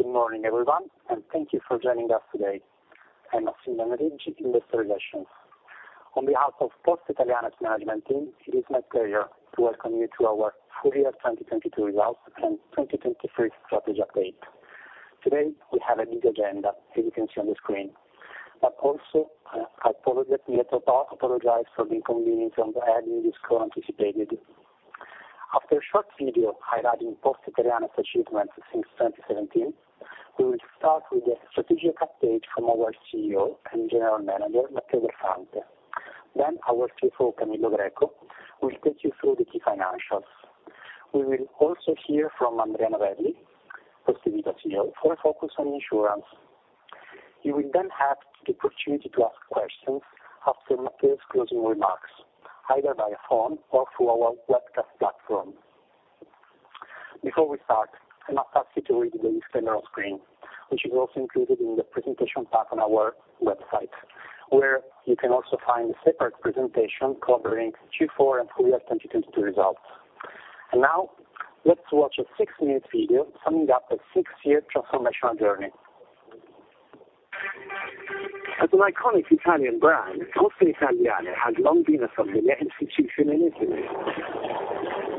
Good morning, everyone, thank you for joining us today. I'm Massimo Nerici, Investor Relations. On behalf of Poste Italiane's management team, it is my pleasure to welcome you to our full year 2022 results and 2023 strategy update. Today, we have a big agenda, as you can see on the screen. I apologize in advance for the inconvenience on the heavy disco anticipated. After a short video highlighting Poste Italiane's achievements since 2017, we will start with the strategic update from our CEO and General Manager, Matteo Del Fante. Our CFO, Camillo Greco, will take you through the key financials. We will also hear from Andrea Novelli, Poste Vita CEO, for a focus on insurance. You will then have the opportunity to ask questions after Matteo's closing remarks, either via phone or through our webcast platform. Before we start, I must ask you to read the disclaimer on screen, which is also included in the presentation pack on our website, where you can also find a separate presentation covering Q4 and full year 2022 results. Now let's watch a 6-minute video summing up a 6-year transformational journey. As an iconic Italian brand, Poste Italiane has long been a familiar institution in Italy.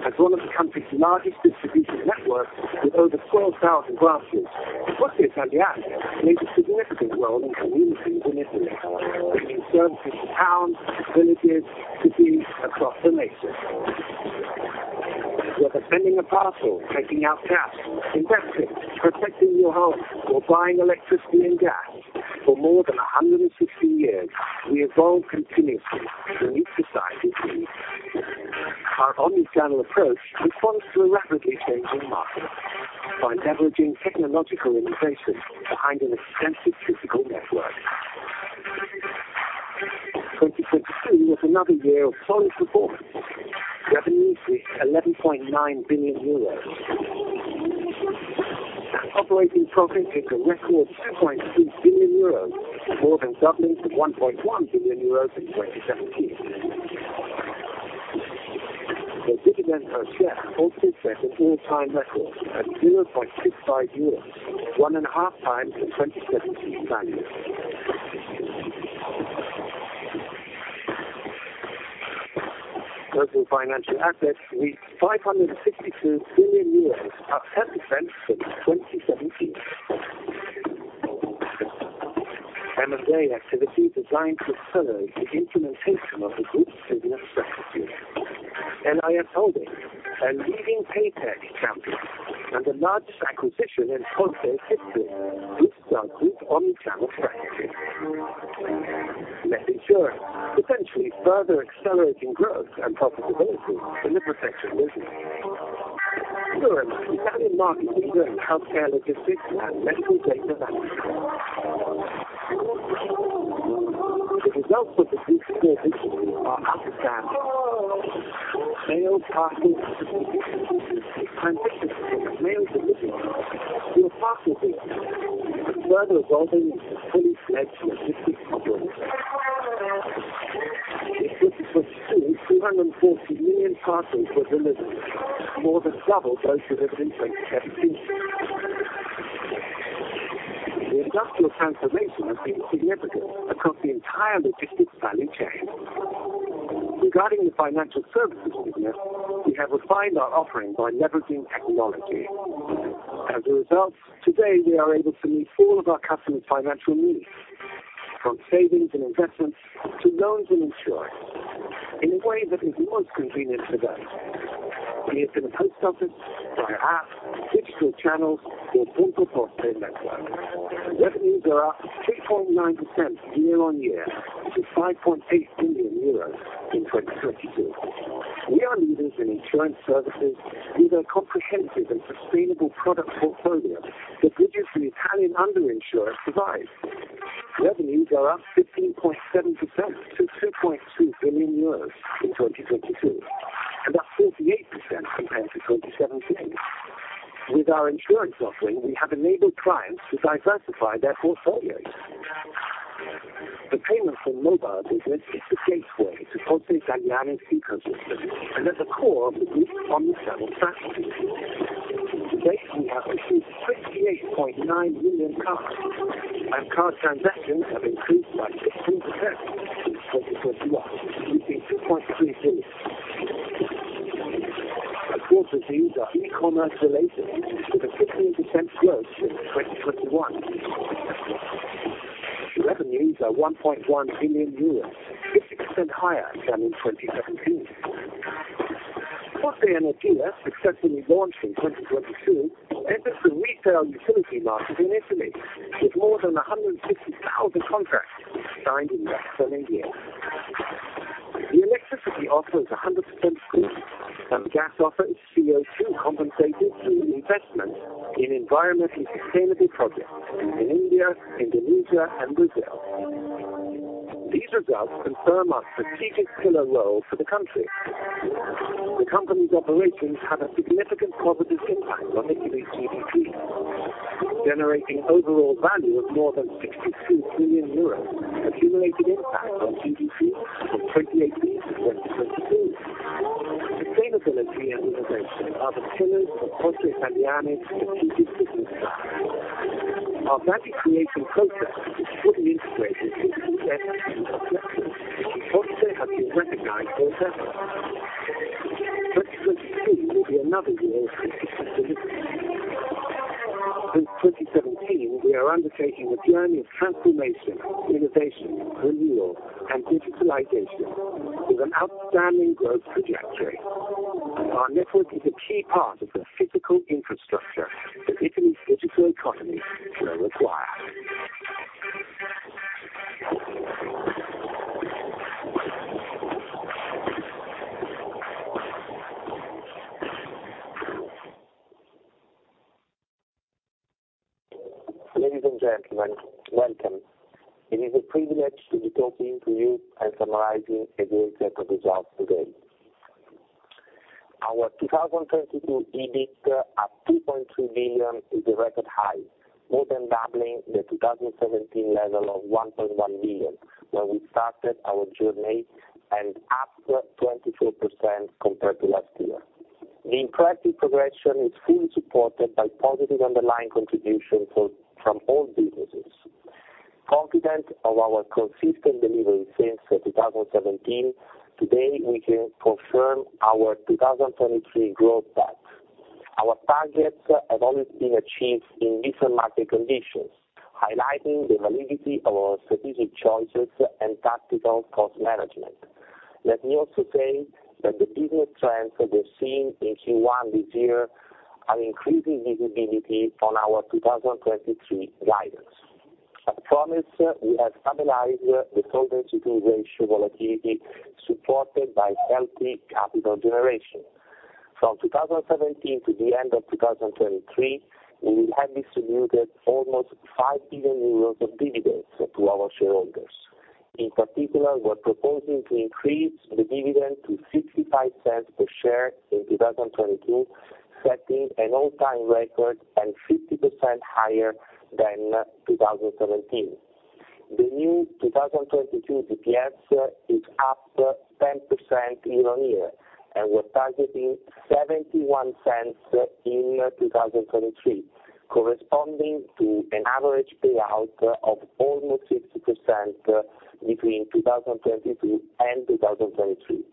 As one of the country's largest distribution networks with over 12,000 branches, Poste Italiane plays a significant role in communities in Italy, bringing services to towns, villages, cities across the nation. Whether sending a parcel, taking out cash, investing, protecting your home or buying electricity and gas, for more than 160 years, we evolved continuously to meet society's needs. Our omnichannel approach responds to a rapidly changing market by leveraging technological innovation behind an extensive physical network. 2022 was another year of solid performance. Revenues reached 11.9 billion euros. Operating profit hit a record 2.2 billion euros, more than doubling to 1.1 billion euros in 2017. The dividend per share also set an all-time record at 0.65 euros, one and a half times the 2017 value. Total financial assets reached 562 billion euros, up 10% since 2017. M&A activity designed to accelerate the implementation of the group's business strategies. LIS Holding, a leading PayTech champion and the largest acquisition in Poste's history, boosts our group's omnichannel strategy. Net Insurance, potentially further accelerating growth and profitability in the protection business. Furthermore, Italian market leader in healthcare logistics and medical data management. The results of the group's core businesses are outstanding. Mail, Parcel, Transition from mail delivery to a parcel business is further evolving into a fully-fledged logistics operator. In 2022, 240 million parcels were delivered, more than double those delivered in 2017. The industrial transformation has been significant across the entire logistics value chain. Regarding the financial services business, we have refined our offering by leveraging technology. As a result, today we are able to meet all of our customers' financial needs, from savings and investments to loans and insurance, in a way that is most convenient for them, be it in a post office, by app, digital channels or Punto Poste network. Revenues are up 3.9% year-over-year to 5.8 billion euros in 2022. We are leaders in insurance services with a comprehensive and sustainable product portfolio that bridges the Italian under-insurance divide. Revenues are up 15.7% to 2.2 billion euros in 2022, and up 48% compared to 2017. With our insurance offering, we have enabled clients to diversify their portfolios. The payments and mobile business is the gateway to Poste Italiane's ecosystem and at the core of the group's omnichannel strategy. To date, we have issued 68.9 million cards, and card transactions have increased by 15% since 2021, reaching 2.3 billion. A quarter of these are e-commerce related, with a 15% growth since 2021. Revenues are 1.1 billion euros, 15% higher than in 2017. Poste Energia, successfully launched in 2022, enters the retail utility market in Italy with more than 150,000 contracts signed in less than a year. The electricity offer is 100% green, and gas offer is CO₂ compensated through investment in environmental sustainability projects in India, Indonesia and Brazil. These results confirm our strategic pillar role for the country. The company's operations have a significant positive impact on Italy's GDP. Generating overall value of more than 62 billion euros, accumulated impact on GDC from 2018 to 2022. Sustainability and innovation are the pillars of Poste Italiane strategic business plan. Our value creating process is fully integrated into ESG objectives, which Poste has been recognized for several years. 2022 will be another year of consistent delivery. Since 2017, we are undertaking a journey of transformation, innovation, renewal, and digitalization with an outstanding growth trajectory. Our network is a key part of the physical infrastructure that Italy's digital economy will require. Ladies and gentlemen, welcome. It is a privilege to be talking to you and summarizing a great set of results today. Our 2022 EBIT at 2.2 billion is a record high, more than doubling the 2017 level of 1.1 billion, where we started our journey and up 24% compared to last year. The impressive progression is fully supported by positive underlying contribution from all businesses. Confident of our consistent delivery since 2017, today, we can confirm our 2023 growth path. Our targets have always been achieved in different market conditions, highlighting the validity of our strategic choices and tactical cost management. Let me also say that the business trends that we're seeing in Q1 this year are increasing visibility on our 2023 guidance. As promised, we have stabilized the solvency ratio volatility supported by healthy capital generation. From 2017 to the end of 2023, we will have distributed almost 5 billion euros of dividends to our shareholders. In particular, we're proposing to increase the dividend to 0.65 per share in 2022, setting an all-time record and 50% higher than 2017. The new 2022 DPS is up 10% year-over-year, and we're targeting 0.71 in 2023, corresponding to an average payout of almost 60% between 2022 and 2023.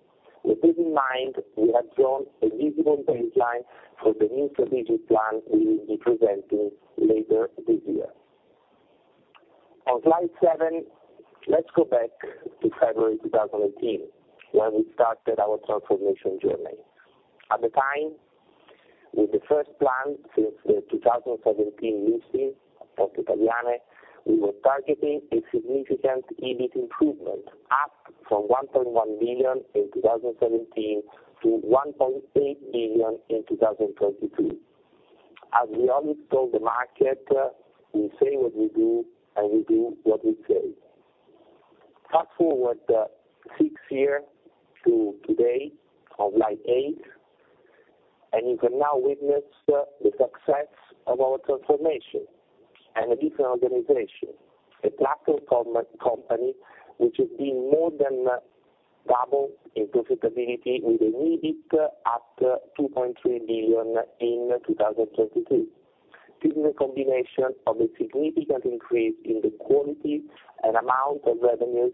With this in mind, we have drawn a visible baseline for the new strategic plan we will be presenting later this year. On slide 7, let's go back to February 2018, when we started our transformation journey. At the time, with the first plan since the 2017 listing of Poste Italiane, we were targeting a significant EBIT improvement, up from 1.1 billion in 2017 to 1.8 billion in 2022. As we always told the market, we say what we do and we do what we say. Fast-forward 6 year to today on slide 8, you can now witness the success of our transformation and a different organization. A platform company which has been more than double in profitability with an EBIT at 2.3 billion in 2022. This is a combination of a significant increase in the quality and amount of revenues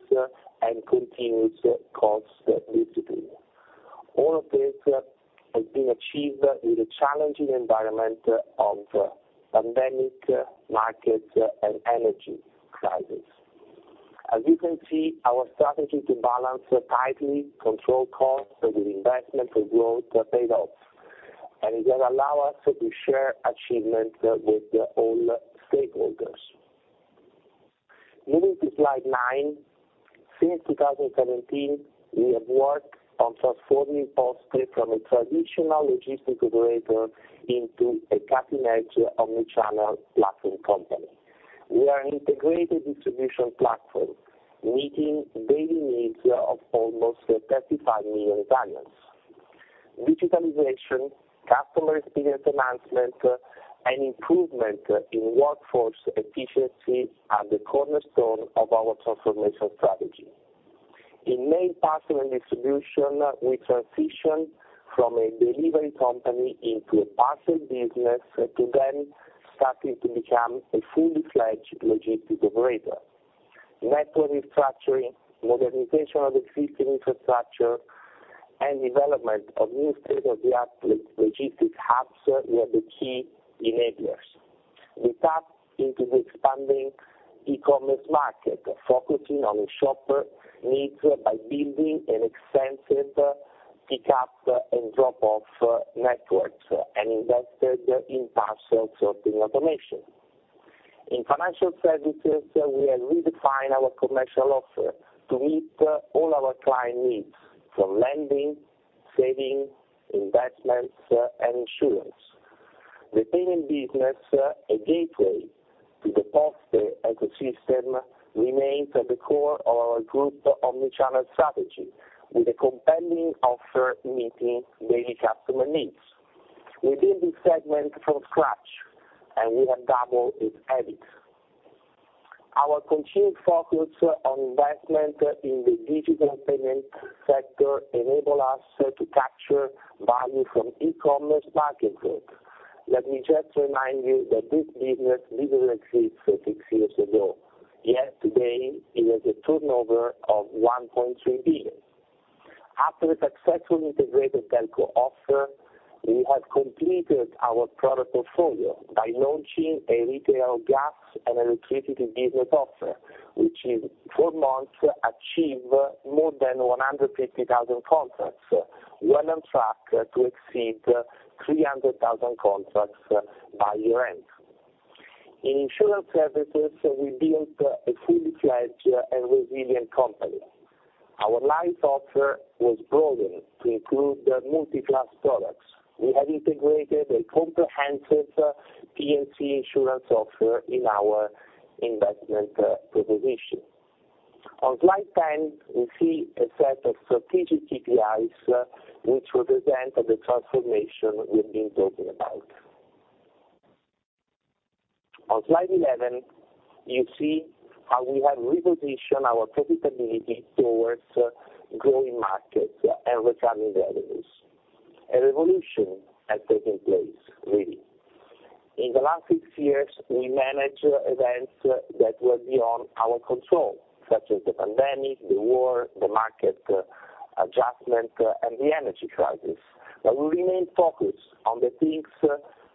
and continuous cost discipline. All of this has been achieved in a challenging environment of pandemic, market, and energy crisis. As you can see, our strategy to balance tightly control costs with investment for growth paid off, and it will allow us to share achievement with all stakeholders. Moving to slide 9. Since 2017, we have worked on transforming Poste from a traditional logistic operator into a category omnichannel platform company. We are an integrated distribution platform, meeting daily needs of almost 35 million Italians. Digitalization, customer experience enhancement, and improvement in workforce efficiency are the cornerstone of our transformation strategy. In Mail, Parcel, and Distribution, we transition from a delivery company into a parcel business to then starting to become a fully fledged logistic operator. Network restructuring, modernization of existing infrastructure, and development of new state-of-the-art logistics hubs were the key enablers. We tap into the expanding e-commerce market, focusing on the shopper needs by building an extensive pickup and drop-off networks and invested in parcel sorting automation. In financial services, we have redefined our commercial offer to meet all our client needs, from lending, saving, investments, and insurance. The payment business, The Poste ecosystem remains at the core of our group omni-channel strategy, with a compelling offer meeting daily customer needs. We built this segment from scratch, and we have doubled its EBIT. Our continued focus on investment in the digital payment sector enable us to capture value from e-commerce market growth. Let me just remind you that this business didn't exist six years ago, yet today it has a turnover of 1.3 billion. After a successful integrated telco offer, we have completed our product portfolio by launching a retail gas and electricity business offer, which in 4 months achieved more than 150,000 contracts. We're on track to exceed 300,000 contracts by year-end. In insurance services, we built a fully fledged and resilient company. Our life offer was broadened to include multi-class products. We have integrated a comprehensive P&C insurance offer in our investment proposition. On slide 10, we see a set of strategic KPIs which represent the transformation we've been talking about. On slide 11, you see how we have repositioned our profitability towards growing markets and recurring revenues. A revolution has taken place, really. In the last six years, we managed events that were beyond our control, such as the pandemic, the war, the market adjustment, and the energy crisis, we remained focused on the things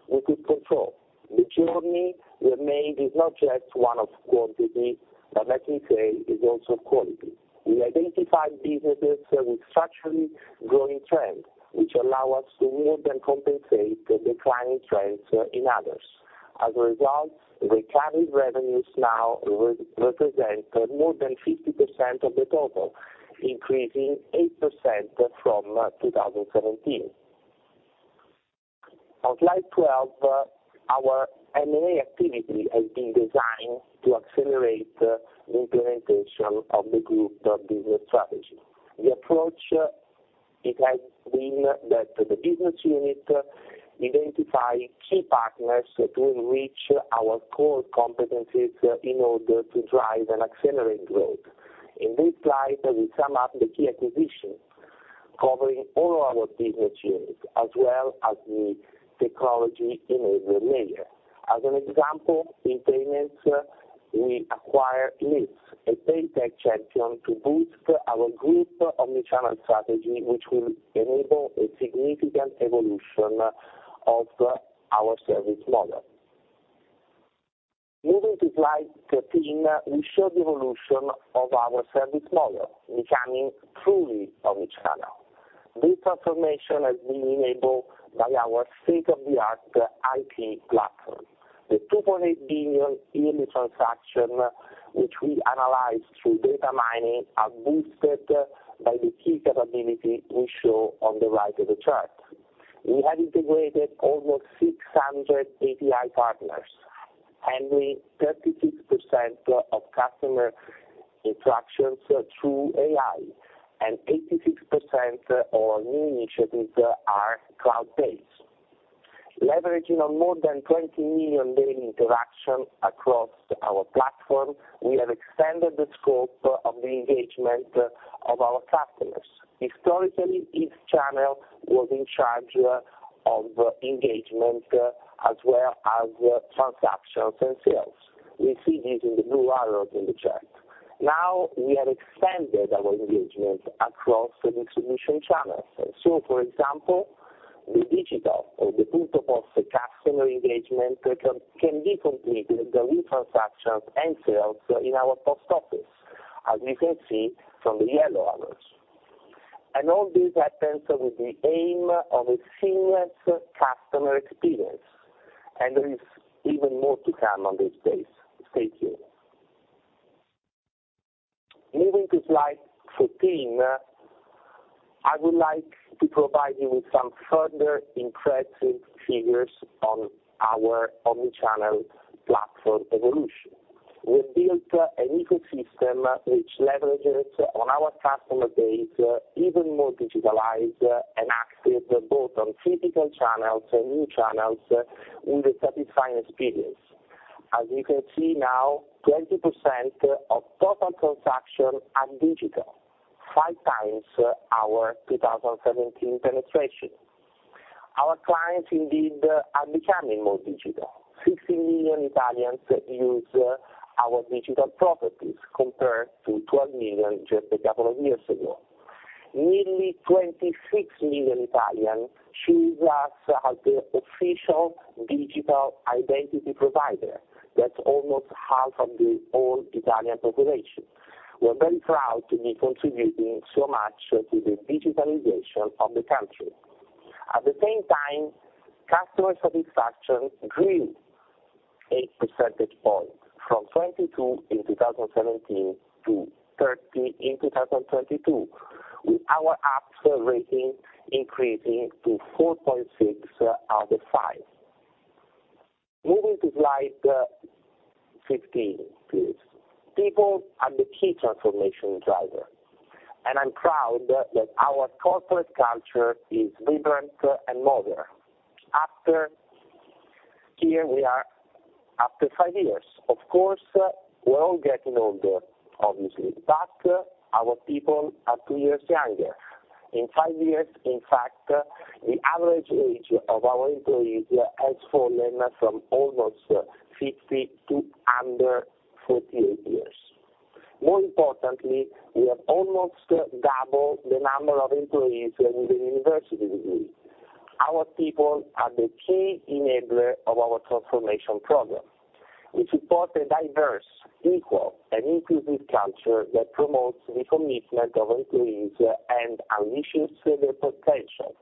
we could control. The journey we have made is not just one of quantity, let me say, is also quality. We identified businesses with structurally growing trend, which allow us to more than compensate the declining trends in others. As a result, recurring revenues now represent more than 50% of the total, increasing 8% from 2017. On slide 12, our M&A activity has been designed to accelerate the implementation of the group business strategy. The approach has been that the business unit identify key partners to enrich our core competencies in order to drive and accelerate growth. In this slide, we sum up the key acquisitions covering all our business units, as well as the technology-enabled layer. As an example, in payments, we acquired LIS, a PayTech champion, to boost our group omni-channel strategy, which will enable a significant evolution of our service model. Moving to slide 13, we show the evolution of our service model, becoming truly omni-channel. This transformation has been enabled by our state-of-the-art IP platform. The 2.8 billion yearly transactions which we analyze through data mining are boosted by the key capability we show on the right of the chart. We have integrated over 600 API partners, handling 36% of customer interactions through AI, and 86% of our new initiatives are cloud-based. Leveraging on more than 20 million daily interactions across our platform, we have extended the scope of the engagement of our customers. Historically, each channel was in charge of engagement as well as transactions and sales. We see this in the blue arrows in the chart. We have extended our engagement across the distribution channels. For example, the digital or the Punto Poste customer engagement can be completed with transactions and sales in our post office, as you can see from the yellow arrows. All this happens with the aim of a seamless customer experience, and there is even more to come on this space. Thank you. Moving to slide 14, I would like to provide you with some further impressive figures on our omni-channel platform evolution. We've built an ecosystem which leverages on our customer base, even more digitalized and active, both on physical channels and new channels, with a satisfying experience. As you can see now, 20% of total transactions are digital, 5 times our 2017 penetration. Our clients indeed are becoming more digital. 60 million Italians use our digital properties, compared to 12 million just a couple of years ago. Nearly 26 million Italians choose us as their official digital identity provider. That's almost half of the whole Italian population. We're very proud to be contributing so much to the digitalization of the country. At the same time, customer satisfaction grew 8 percentage points, from 22 in 2017 to 30 in 2022, with our apps rating increasing to 4.6 out of 5. Moving to slide 15, please. People are the key transformation driver, and I'm proud that our corporate culture is vibrant and modern. Here we are after 5 years. Of course, we're all getting older, obviously, but our people are two years younger. In five years, in fact, the average age of our employees has fallen from almost 50 to under 48 years. More importantly, we have almost doubled the number of employees with a university degree. Our people are the key enabler of our transformation program, which supports a diverse, equal and inclusive culture that promotes the commitment of employees and unleashes their potential.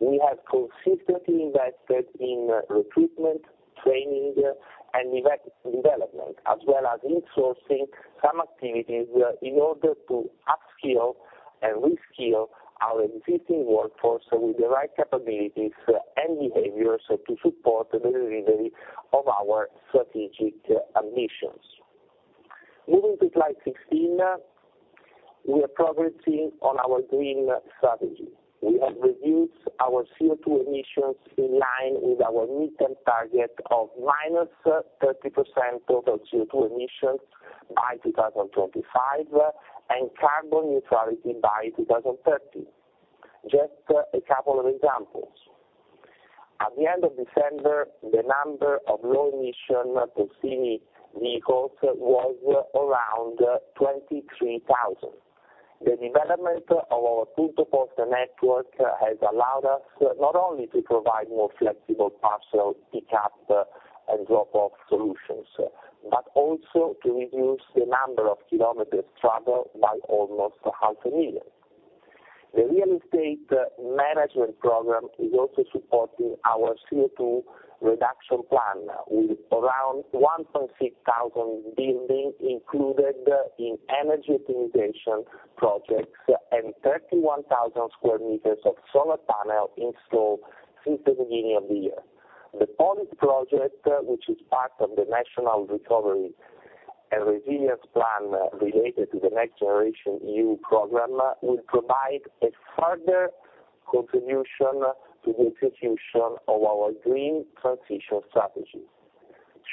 We have consistently invested in recruitment, training, and development, as well as insourcing some activities in order to upskill and reskill our existing workforce with the right capabilities and behaviors to support the delivery of our strategic ambitions. Moving to slide 16, we are progressing on our green strategy. We have reduced our CO2 emissions in line with our midterm target of -30% total CO2 emissions by 2025, and carbon neutrality by 2030. Just a couple of examples. At the end of December, the number of low emission Postini vehicles was around 23,000. The development of our Punto Poste network has allowed us not only to provide more flexible parcel pickup and drop-off solutions, but also to reduce the number of km traveled by almost 500,000. The real estate management program is also supporting our CO2 reduction plan, with around 1,600 buildings included in energy optimization projects and 31,000 square meters of solar panel installed since the beginning of the year. The Polis project, which is part of the National Recovery and Resilience Plan related to the NextGenerationEU program, will provide a further contribution to the execution of our green transition strategy.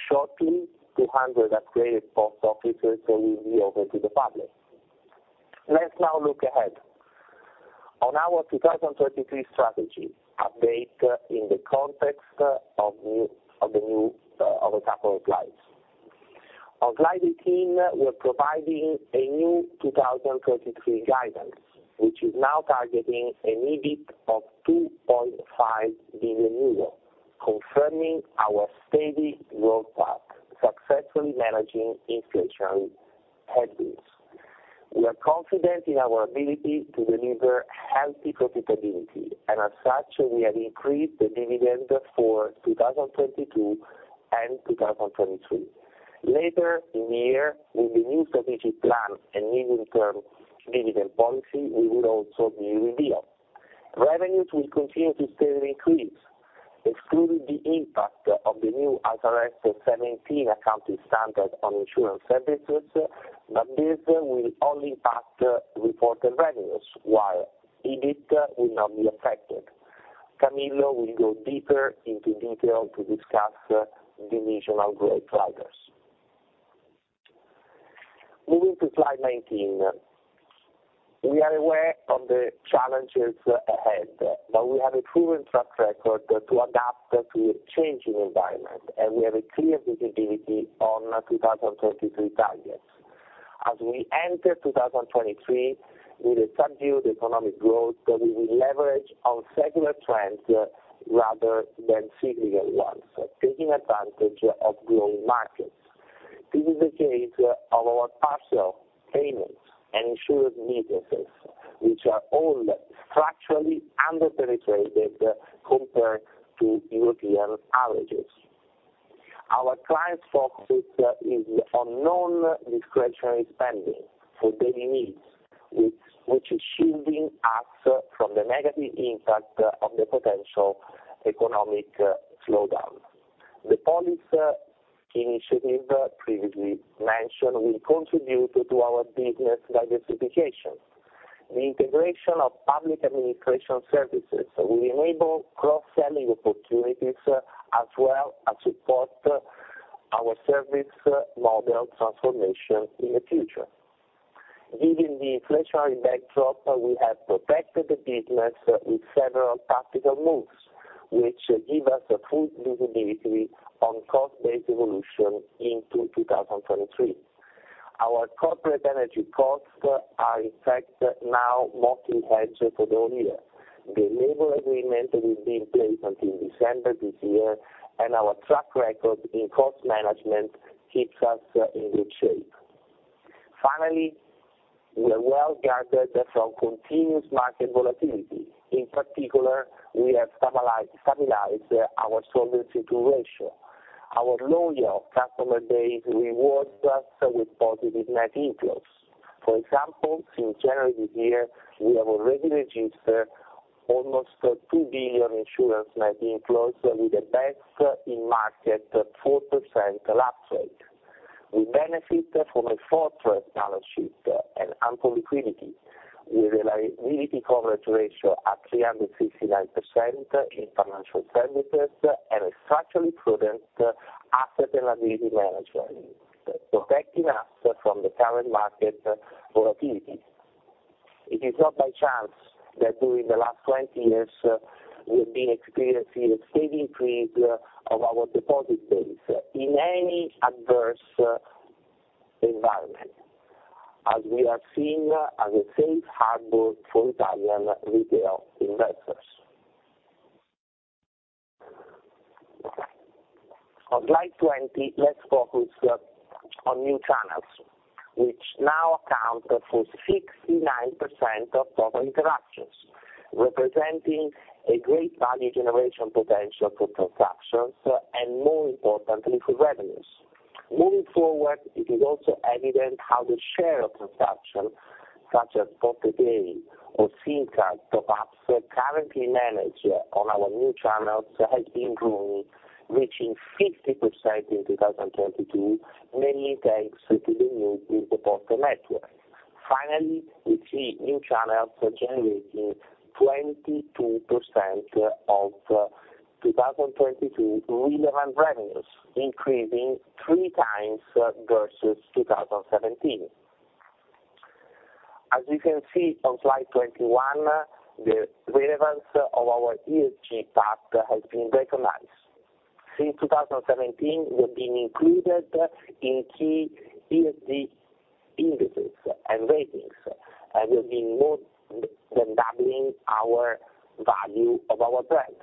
Shortly, 200 upgraded post offices will be open to the public. Let's now look ahead. On our 2023 strategy, update in the context of the new, of a couple of slides. On slide 18, we're providing a new 2023 guidance, which is now targeting an EBIT of 2.5 billion euros, confirming our steady growth path, successfully managing inflation headwinds. We are confident in our ability to deliver healthy profitability, and as such, we have increased the dividend for 2022 and 2023. Later in the year, with the new strategic plan and medium term dividend policy, we will also be revealed. Revenues will continue to steadily increase, excluding the impact of the new IFRS 17 accounting standard on insurance services, but this will only impact reported revenues, while EBIT will not be affected. Camillo will go deeper into detail to discuss the regional growth drivers. Moving to slide 19. We are aware of the challenges ahead, but we have a proven track record to adapt to a changing environment, and we have a clear visibility on 2023 targets. As we enter 2023 with a subdued economic growth, we will leverage on secular trends rather than cyclical ones, taking advantage of growing markets. This is the case of our parcel, payments and insurance businesses, which are all structurally underpenetrated compared to European averages. Our clients' focus is on non-discretionary spending for daily needs, which is shielding us from the negative impact of the potential economic slowdown. The Polis initiative previously mentioned will contribute to our business diversification. The integration of public administration services will enable cross-selling opportunities, as well as support our service model transformation in the future. Given the inflationary backdrop, we have protected the business with several tactical moves, which give us a full visibility on cost base evolution into 2023. Our corporate energy costs are in fact now mostly hedged for the whole year. The labor agreement will be in place until December this year. Our track record in cost management keeps us in good shape. Finally, we are well guarded from continuous market volatility. In particular, we have stabilized our Solvency II ratio. Our loyal customer base rewards us with positive net inflows. For example, since January this year, we have already registered almost 2 billion insurance might being closed with the best in market 4% lapse rate. We benefit from a fortress balance sheet and ample liquidity, with a liability coverage ratio at 359% in financial services and a structurally prudent asset and liability management, protecting us from the current market volatility. It is not by chance that during the last 20 years, we've been experiencing a steady increase of our deposit base in any adverse environment, as we are seen as a safe harbor for Italian retail investors. On slide 20, let's focus on new channels, which now account for 69% of total interactions, representing a great value generation potential for transactions, and more importantly, for revenues. Moving forward, it is also evident how the share of transactions such as Postepay or Sica, perhaps currently managed on our new channels, has been growing, reaching 50% in 2022, mainly thanks to the new Poste networks. Finally, we see new channels generating 22% of 2022 relevant revenues, increasing 3 times versus 2017. As you can see on slide 21, the relevance of our ESG path has been recognized. Since 2017, we've been included in key ESG indices and ratings, and we've been more than doubling our value of our brand.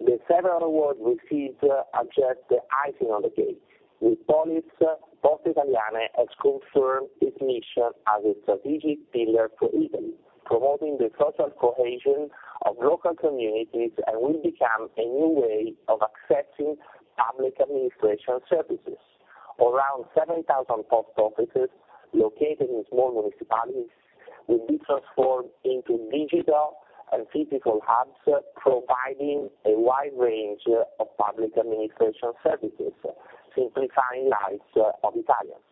The several awards received are just the icing on the cake. With Polis, Poste Italiane has confirmed its mission as a strategic pillar for Italy, promoting the social cohesion of local communities, and will become a new way of accessing public administration services. Around 7,000 post offices located in small municipalities will be transformed into digital and physical hubs, providing a wide range of public administration services, simplifying lives of Italians.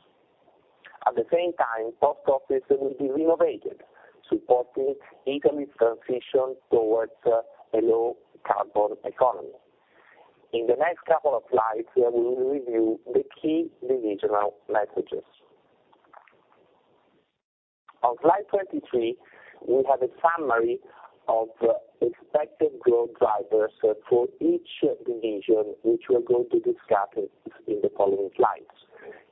At the same time, post offices will be renovated, supporting Italy's transition towards a low carbon economy. In the next couple of slides, we will review the key divisional messages. On slide 23, we have a summary of expected growth drivers for each division, which we are going to discuss in the following slides,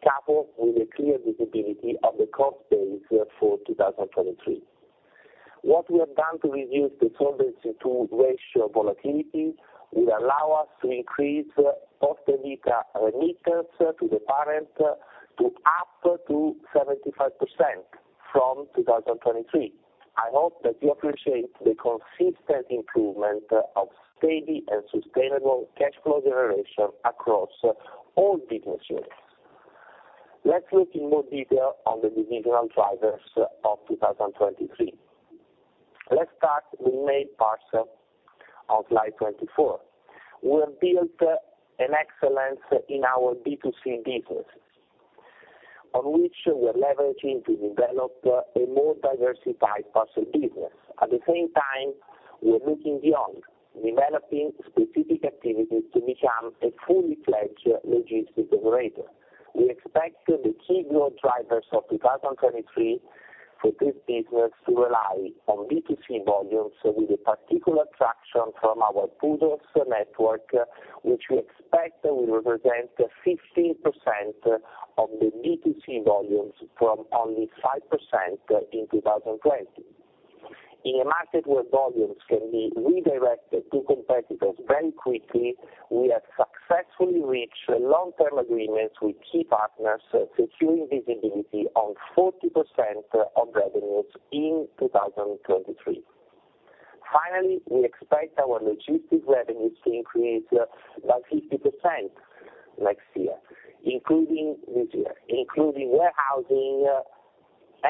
coupled with a clear visibility of the cost base for 2023. What we have done to reduce the Solvency II ratio volatility will allow us to increase Poste Vita remittances to the parent to up to 75% from 2023. I hope that you appreciate the consistent improvement of steady and sustainable cash flow generation across all business units. Let's look in more detail on the divisional drivers of 2023. Let's start with Mail Parcel on slide 24. We have built an excellence in our B2C businesses, on which we are leveraging to develop a more diversified parcel business. At the same time, we are looking beyond, developing specific activities to become a fully-fledged logistics operator. We expect the key growth drivers of 2023 for this business to rely on B2C volumes with a particular traction from our PUDOS network, which we expect will represent 15% of the B2C volumes from only 5% in 2020. In a market where volumes can be redirected to competitors very quickly, we have successfully reached long-term agreements with key partners, securing visibility on 40% of revenues in 2023. Finally, we expect our logistics revenues to increase by 50% this year, including warehousing,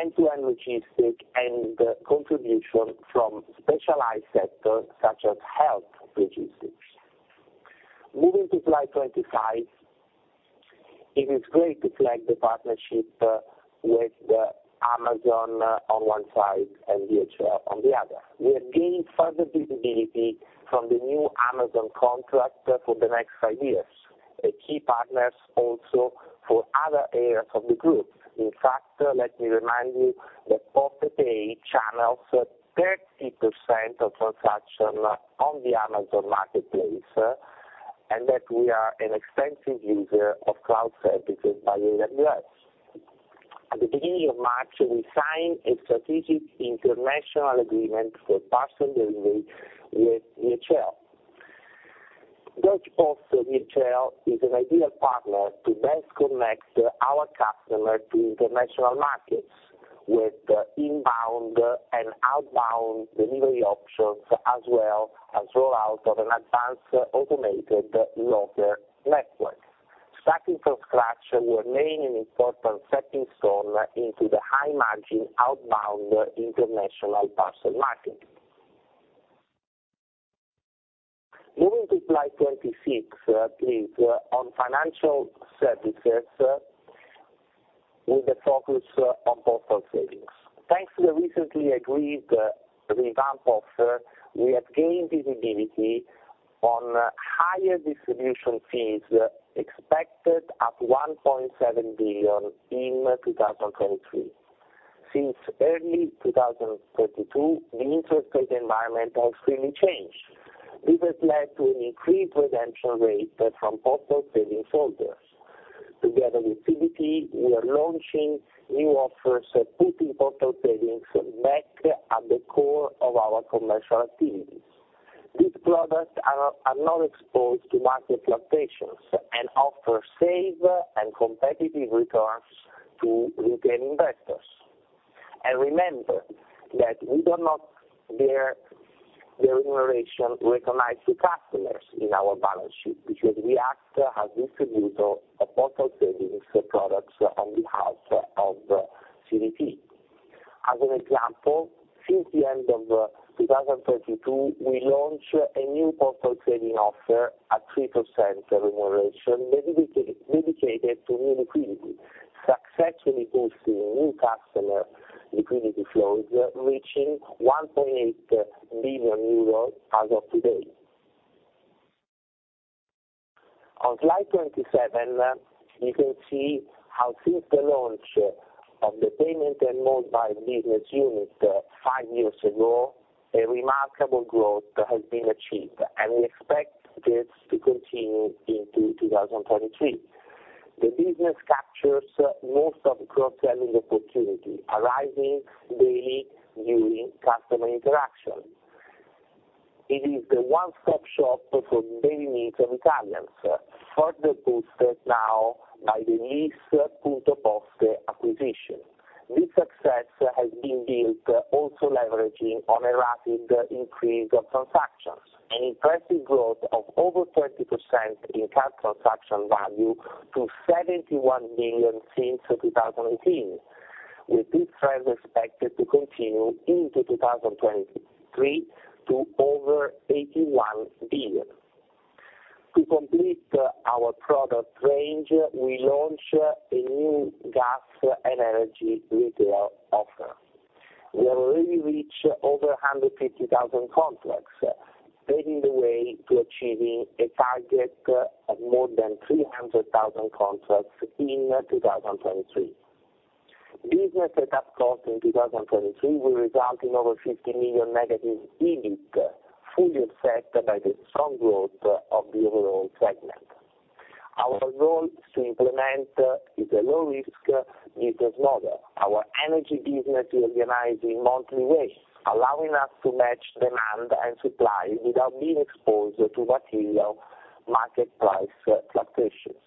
end-to-end logistic, and contribution from specialized sectors such as health logistics. Moving to slide 25, it is great to flag the partnership with Amazon on one side and DHL on the other. We have gained further visibility from the new Amazon contract for the next 5 years, a key partner also for other areas of the group. In fact, let me remind you that Postepay channels 30% of transactions on the Amazon Marketplace, and that we are an extensive user of cloud services by AWS. At the beginning of March, we signed a strategic international agreement for parcel delivery with DHL. Deutsche Post DHL is an ideal partner to best connect our customers to international markets with inbound and outbound delivery options, as well as rollout of an advanced automated locker network. Starting from scratch, we are laying an important setting stone into the high margin outbound international parcel market. Moving to slide 26, please, on financial services with a focus on postal savings. Thanks to the recently agreed revamp offer, we have gained visibility on higher distribution fees expected at 1.7 billion in 2023. Since early 2022, the interest rate environment has really changed. This has led to an increased redemption rate from postal savings holders. Together with CDP, we are launching new offers, putting postal savings back at the core of our commercial activities. These products are not exposed to market fluctuations and offer safe and competitive returns to retail investors. Remember that we do not bear the remuneration recognized to customers in our balance sheet because we act as distributor of postal savings products on behalf of CDP. As an example, since the end of 2022, we launched a new postal trading offer at 3% remuneration dedicated to new liquidity, successfully boosting new customer liquidity flows, reaching 1.8 billion euros as of today. On slide 27, you can see how since the launch of the payment and mobile business unit 5 years ago, a remarkable growth has been achieved, we expect this to continue into 2023. The business captures most of the cross-selling opportunity arising daily during customer interaction. It is the one-stop shop for daily needs of Italians, further boosted now by the LIS Punto Poste acquisition. This success has been built also leveraging on a rapid increase of transactions, an impressive growth of over 30% in card transaction value to 71 billion since 2018, with this trend expected to continue into 2023 to over 81 billion. To complete our product range, we launch a new gas and energy retail offer. We have already reached over 150,000 contracts, paving the way to achieving a target of more than 300,000 contracts in 2023. Business setup costs in 2023 will result in over 50 million negative EBIT, fully offset by the strong growth of the overall segment. Our role to implement is a low risk business model. Our energy business we organize in monthly rates, allowing us to match demand and supply without being exposed to volatile market price fluctuations.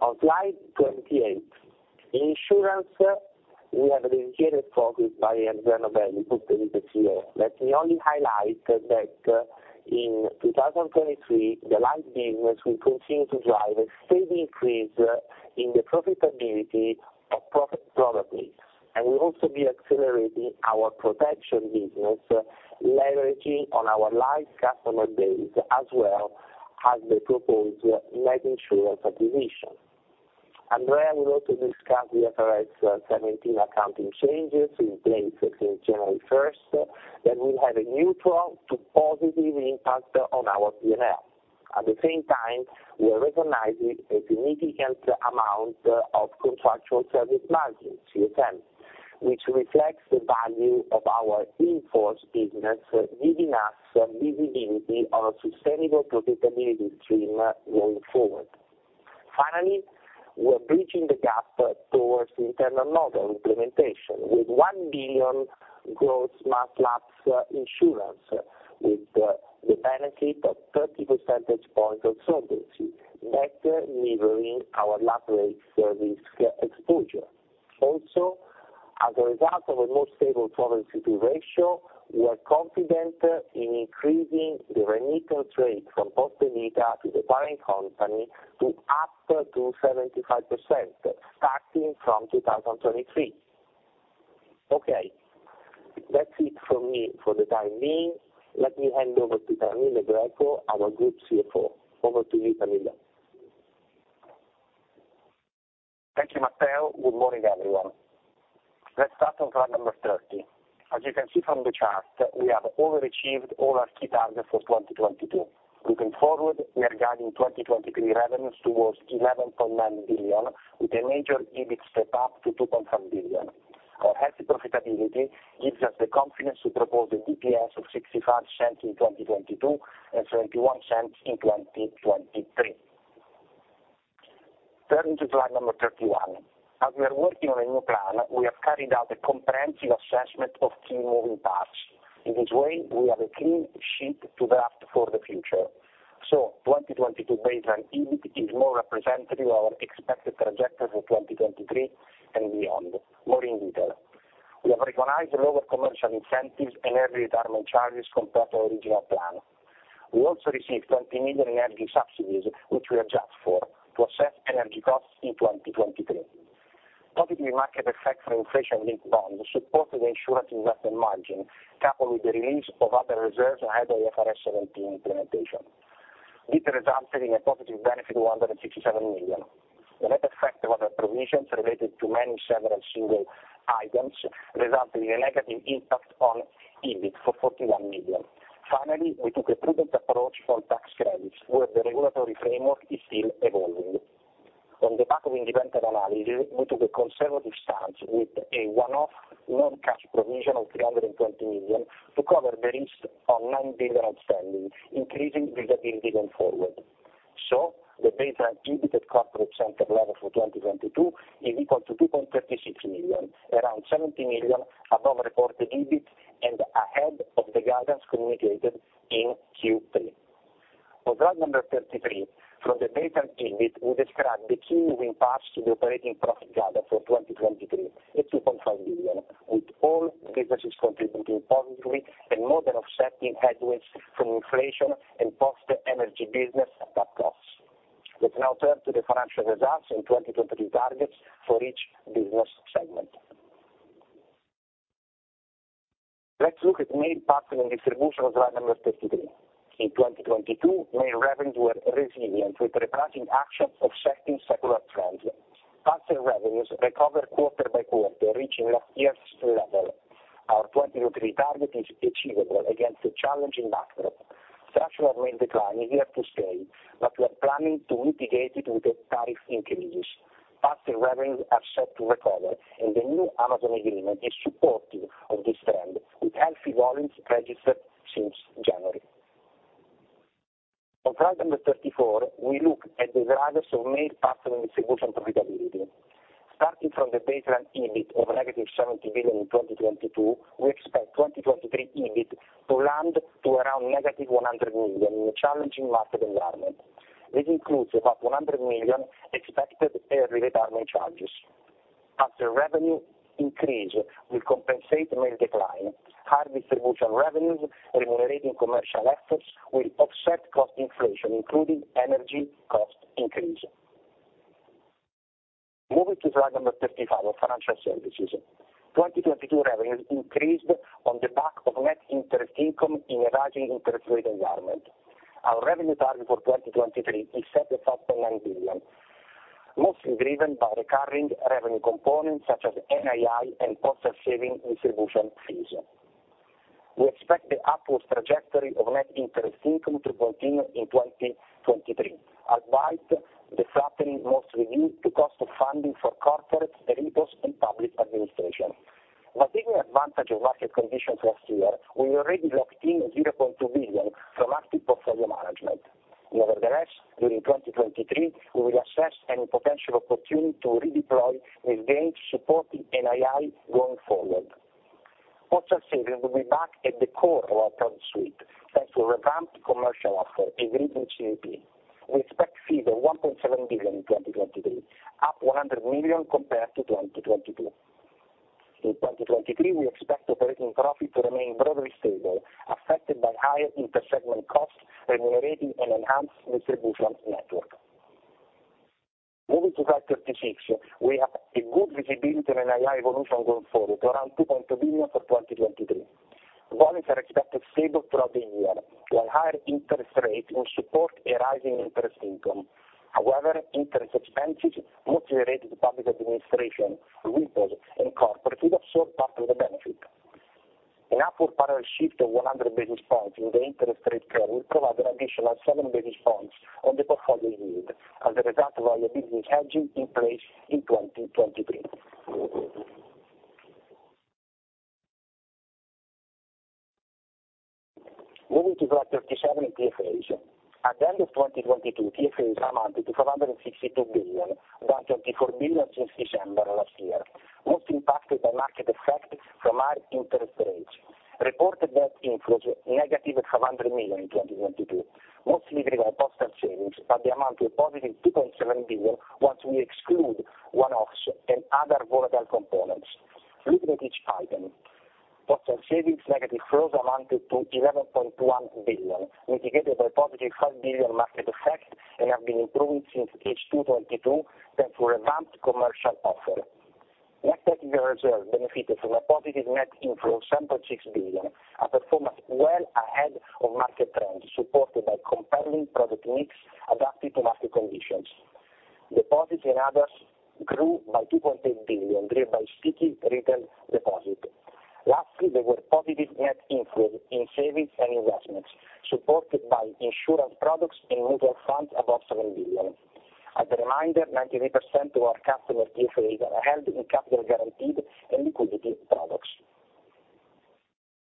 On slide 28, insurance, we have dedicated focus by Andrea Novelli, group CEO. Let me only highlight that in 2023, the life business will continue to drive a steady increase in the profitability of profit broadly. We'll also be accelerating our protection business, leveraging on our life customer base as well as the proposed life insurance acquisition. Andrea will also discuss the IFRS 17 accounting changes in place since January 1, that will have a neutral to positive impact on our P&L. At the same time, we are recognizing a significant amount of contractual service margin, CSM, which reflects the value of our in-force business, giving us visibility on a sustainable profitability stream going forward. Finally, we're bridging the gap towards internal model implementation with 1 billion gross Mass Lapse insurance, with the benefit of 30 percentage points of solvency, better levering our lab rate service exposure. As a result of a more stable solvency ratio, we are confident in increasing the remittal rate from Poste Vita to the parent company to up to 75%, starting from 2023. Okay. That's it from me for the time being. Let me hand over to Camillo Greco, our group CFO. Over to you, Camillo. Thank you, Matteo. Good morning, everyone. Let's start on slide number 30. As you can see from the chart, we have overachieved all our key targets for 2022. Looking forward, we are guiding 2023 revenues towards 11.9 billion, with a major EBIT step up to 2.5 billion. Our healthy profitability gives us the confidence to propose an EPS of 0.65 in 2022 and 0.71 in 2023. Turning to slide number 31. As we are working on a new plan, we have carried out a comprehensive assessment of key moving parts. In this way, we have a clean sheet to draft for the future. 2022 baseline EBIT is more representative of our expected trajectory for 2023 and beyond. More in detail, we have recognized lower commercial incentives and early retirement charges compared to original plan. We also received 20 million in energy subsidies, which we adjust for to assess energy costs in 2023. Positive market effect for inflation linked bonds supported the insurance investment margin, coupled with the release of other reserves and IFRS 17 implementation. This resulted in a positive benefit of 167 million. The net effect of other provisions related to many several single items resulted in a negative impact on EBIT for 41 million. Finally, we took a prudent approach for tax credits, where the regulatory framework is still evolving. On the back of independent analysis, we took a conservative stance with a one-off non-cash provision of 320 million to cover the risk of non-dividend outstanding, increasing visibility going forward. The baseline EBIT at corporate center level for 2022 is equal to 2.36 million, around 70 million above reported EBIT and ahead of the guidance communicated in Q3. On slide number 33, from the baseline EBIT, we describe the key moving parts to the operating profit gather for 2023 at 2.5 million, with all businesses contributing positively and more than offsetting headwinds from inflation and Poste Energia business back costs. Let's now turn to the financial results and 2023 targets for each business segment. Let's look at Mail, Parcel and Distribution on slide number 33. In 2022, mail revenues were resilient with repricing actions offsetting secular trends. Parcel revenues recovered quarter by quarter, reaching last year's level. Our 2023 target is achievable against a challenging backdrop. Structural mail decline is here to stay, we are planning to mitigate it with tariff increases. Parcel revenues are set to recover, the new Amazon agreement is supportive of this trend with healthy volumes registered since January. On slide number 34, we look at the drivers of Mail, Parcel and Distribution profitability. Starting from the baseline EBIT of negative 70 million in 2022, we expect 2023 EBIT to land to around negative 100 million in a challenging market environment. This includes about 100 million expected early retirement charges. Parcel revenue increase will compensate mail decline. Higher distribution revenues remunerating commercial efforts will offset cost inflation, including energy cost increase. Moving to slide number 35 on Financial Services. 2022 revenues increased on the back of net interest income in a rising interest rate environment. Our revenue target for 2023 is set at 12.9 billion, mostly driven by recurring revenue components such as NII and Postal Savings distribution fees. We expect the upwards trajectory of net interest income to continue in 2023, albeit the flattening mostly linked to cost of funding for corporates, repos and public administration. While taking advantage of market conditions last year, we already locked in 0.2 billion from active portfolio management. During 2023, we will assess any potential opportunity to redeploy these gains supporting NII going forward. Postal Savings will be back at the core of our product suite, thanks to a revamped commercial offer agreed with CEP. We expect fees of 1.7 billion in 2023, up 100 million compared to 2022. In 2023, we expect operating profit to remain broadly stable, affected by higher intersegment costs remunerating an enhanced distribution network. Moving to slide 36, we have a good visibility on NII evolution going forward to around EUR 2.2 billion for 2023. Volumes are expected stable throughout the year, while higher interest rates will support a rising interest income. However, interest expenses, mostly related to public administration, repos and corporate will absorb part of the benefit. An upward parallel shift of 100 basis points in the interest rate curve will provide an additional 7 basis points on the portfolio yield as a result of our yield boosting hedging in place in 2023. Moving to slide 37, TFAs. At the end of 2022, TFAs amounted to EUR 462 billion, down EUR 34 billion since December last year, mostly impacted by market effect from higher interest rates. Reported net inflows negative 500 million in 2022, mostly driven by Postal Savings, but they amount to a positive 2.7 billion once we exclude one-offs and other volatile components. Looking at each item, Postal Savings negative flows amounted to 11.1 billion, mitigated by positive 5 billion market effect and have been improving since Q2 2022, thanks to a revamped commercial offer. Net technical reserves benefited from a positive net inflow, 7.6 billion, a performance well ahead of market trends, supported by compelling product mix adapted to market conditions. Deposits and others grew by 2.8 billion, driven by sticky retail deposits. Lastly, there were positive net inflows in savings and investments, supported by insurance products and mutual funds, above 7 billion. As a reminder, 98% of our customer TFAs are held in capital guaranteed and liquidity products.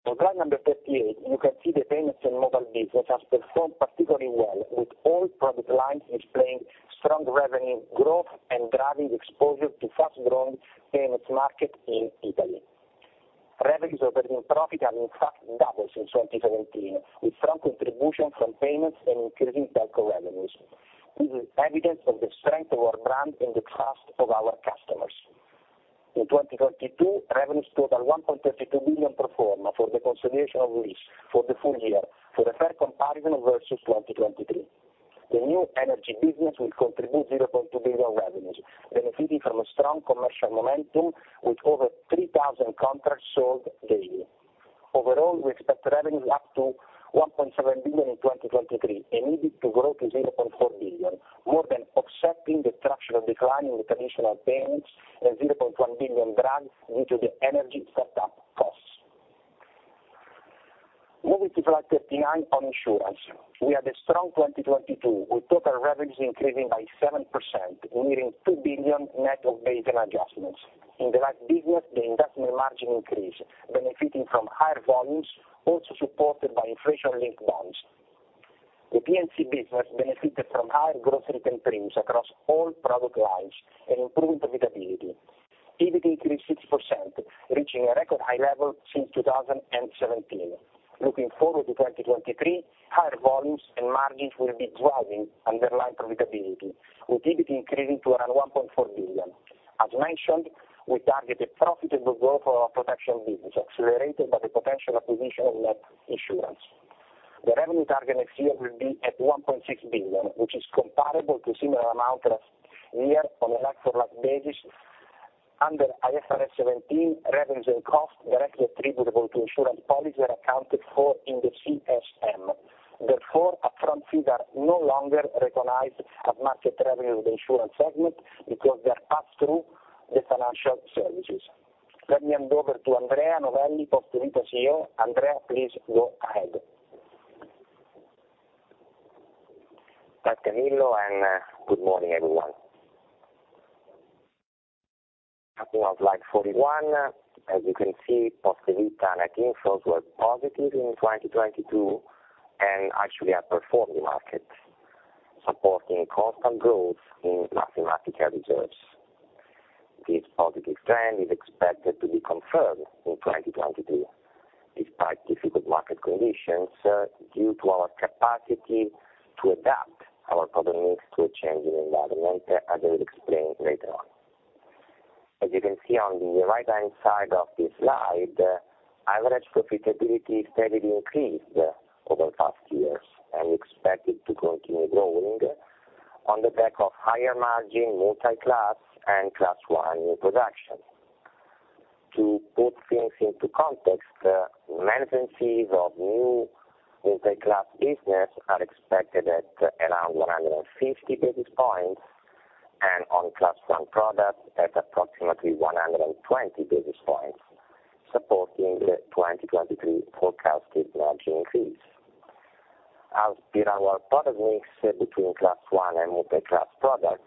On slide number 38, you can see the payments and mobile business has performed particularly well, with all product lines displaying strong revenue growth and driving exposure to fast-growing payments market in Italy. Revenues operating profit have in fact doubled since 2017, with strong contribution from payments and increasing telco revenues. This is evidence of the strength of our brand and the trust of our customers. In 2022, revenues totaled 1.32 billion pro forma for the consolidation of REEF for the full year for a fair comparison versus 2023. The new energy business will contribute 0.2 billion revenues, benefiting from a strong commercial momentum with over 3,000 contracts sold daily. We expect revenues up to 1.7 billion in 2023, and EBIT to grow to 0.4 billion, more than offsetting the structural decline in the traditional payments and 0.1 billion drag into the energy set up costs. Moving to slide 39 on insurance. We had a strong 2022, with total revenues increasing by 7%, nearing 2 billion net of base and adjustments. In the life business, the investment margin increased, benefiting from higher volumes, also supported by inflation-linked bonds. The P&C business benefited from higher gross written premiums across all product lines and improved profitability. EBIT increased 60%, reaching a record high level since 2017. Looking forward to 2023, higher volumes and margins will be driving underlying profitability, with EBIT increasing to around 1.4 billion. As mentioned, we target a profitable growth for our protection business, accelerated by the potential acquisition of Net Insurance. The revenue target next year will be at 1.6 billion, which is comparable to similar amount last year on a like-for-like basis. Under IFRS 17, revenues and costs directly attributable to insurance policies are accounted for in the CSM. Therefore, upfront fees are no longer recognized as market revenue of the insurance segment because they're passed through the financial services. Let me hand over to Andrea Novelli, Poste Vita CEO. Andrea, please go ahead. Thanks, Camillo, and good morning, everyone. Talking on slide 41, as you can see, Poste Vita net inflows were positive in 2022 and actually outperformed the market, supporting constant growth in mathematical reserves. This positive trend is expected to be confirmed in 2022, despite difficult market conditions, due to our capacity to adapt our product mix to a changing environment, as I will explain later on. As you can see on the right-hand side of this slide, average profitability steadily increased over the past years, and we expect it to continue growing on the back of higher margin Multi-class and Class I new production. To put things into context, the margins achieved of new Multi-class business are expected at around 150 basis points, and on Class I product at approximately 120 basis points, supporting the 2023 forecasted margin increase. As per our product mix between Class One and multi-class products,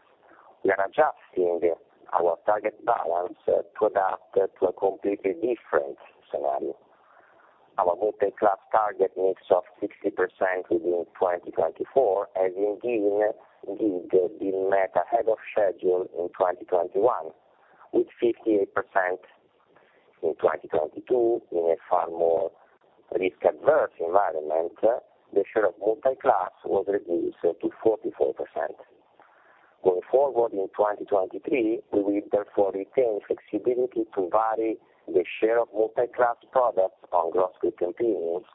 we are adjusting our target balance to adapt to a completely different scenario. Our multi-class target mix of 60% within 2024 has indeed been met ahead of schedule in 2021, with 58% in 2022 in a far more risk-averse environment, the share of multi-class was reduced to 44%. Going forward in 2023, we will therefore retain flexibility to vary the share of multi-class products on gross written premiums,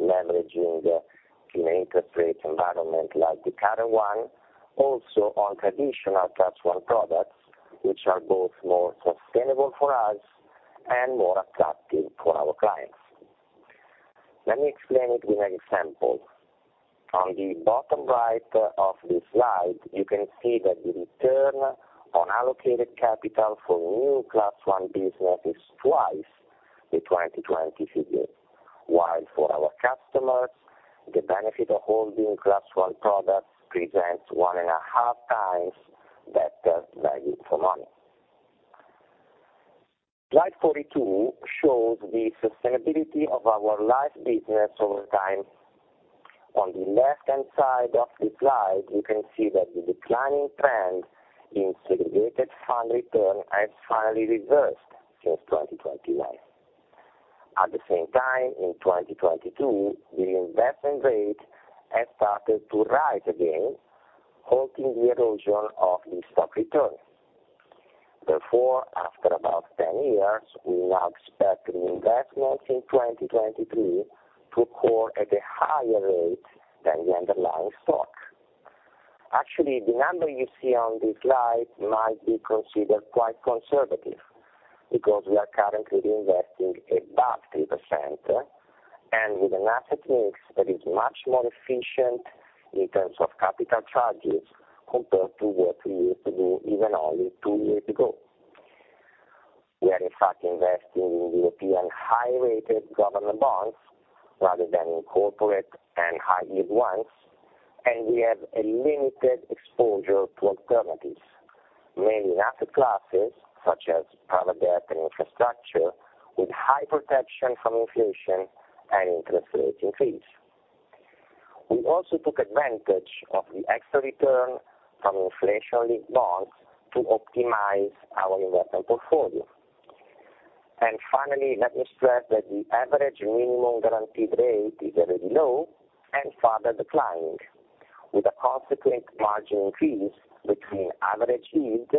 leveraging the current interest rate environment like the current one, also on traditional Class One products, which are both more sustainable for us and more attractive for our clients. Let me explain it with an example. On the bottom right of this slide, you can see that the return on allocated capital for new Class One business is twice the 2020 figure. While for our customers, the benefit of holding Class I products presents 1.5 times better value for money. Slide 42 shows the sustainability of our life business over time. On the left-hand side of the slide, you can see that the declining trend in segregated fund return has finally reversed since 2021. At the same time, in 2022, the investment rate has started to rise again, halting the erosion of the stock return. Therefore, after about 10 years, we now expect the investment in 2023 to occur at a higher rate than the underlying stock. Actually, the number you see on this slide might be considered quite conservative, because we are currently reinvesting above 3%, and with an asset mix that is much more efficient in terms of capital charges compared to what we used to do even only 2 years ago. We are in fact investing in European high-rated government bonds rather than in corporate and high-yield ones, we have a limited exposure to alternatives, mainly asset classes such as private debt and infrastructure, with high protection from inflation and interest rate increase. We also took advantage of the extra return from inflation-linked bonds to optimize our investment portfolio. Finally, let me stress that the average minimum guaranteed rate is already low and further declining, with a consequent margin increase between average yield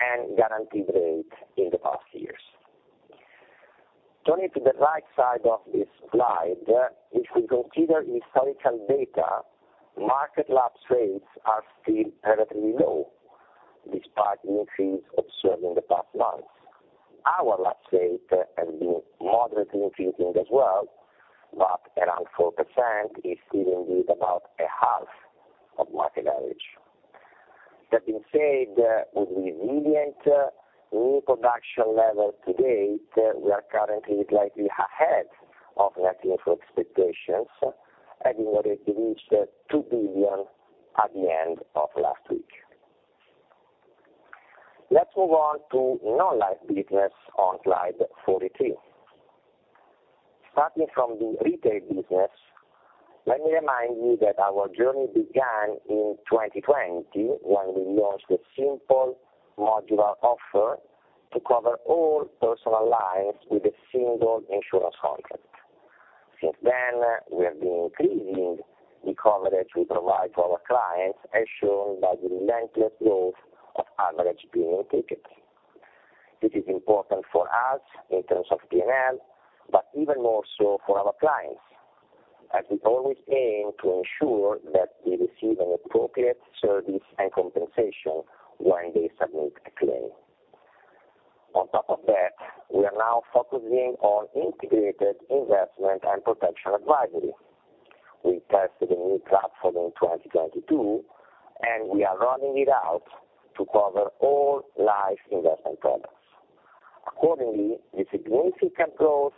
and guaranteed rate in the past years. Turning to the right side of this slide, if we consider historical data, market lapse rates are still relatively low despite the increase observed in the past months. Our lapse rate has been moderately increasing as well, but around 4% is still indeed about a half of market average. That being said, with resilient new production levels to date, we are currently slightly ahead of net new expectations, having already reached 2 billion at the end of last week. Let's move on to non-life business on slide 43. Starting from the retail business, let me remind you that our journey began in 2020 when we launched a simple modular offer to cover all personal lines with a single insurance contract. Since then, we have been increasing the coverage we provide to our clients, as shown by the relentless growth of average premium ticket. This is important for us in terms of P&L. Even more so for our clients, as we always aim to ensure that they receive an appropriate service and compensation when they submit a claim. On top of that, we are now focusing on integrated investment and protection advisory. We tested a new platform in 2022, we are rolling it out to cover all life investment products. Accordingly, the significant growth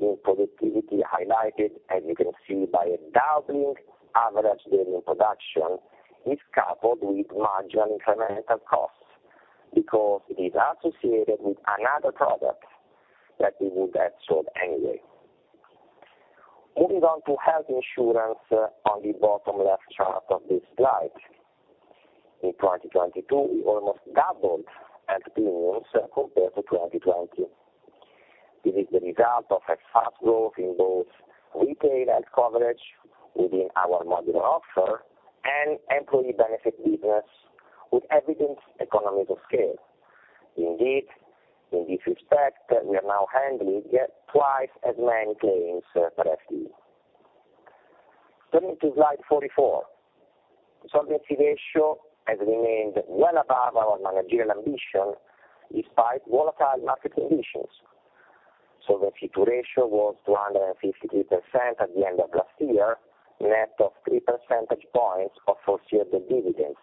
in productivity highlighted, as you can see by a doubling average daily production, is coupled with marginal incremental costs because it is associated with another product that we would have sold anyway. Moving on to health insurance on the bottom left chart of this slide. In 2022, we almost doubled health premiums compared to 2020. This is the result of a fast growth in both retail health coverage within our modular offer and employee benefit business with evident economies of scale. In this respect, we are now handling twice as many claims per FTE. Turning to slide 44. Solvency ratio has remained well above our managerial ambition despite volatile market conditions. Solvency II ratio was 253% at the end of last year, net of 3 percentage points of foreseeable dividends,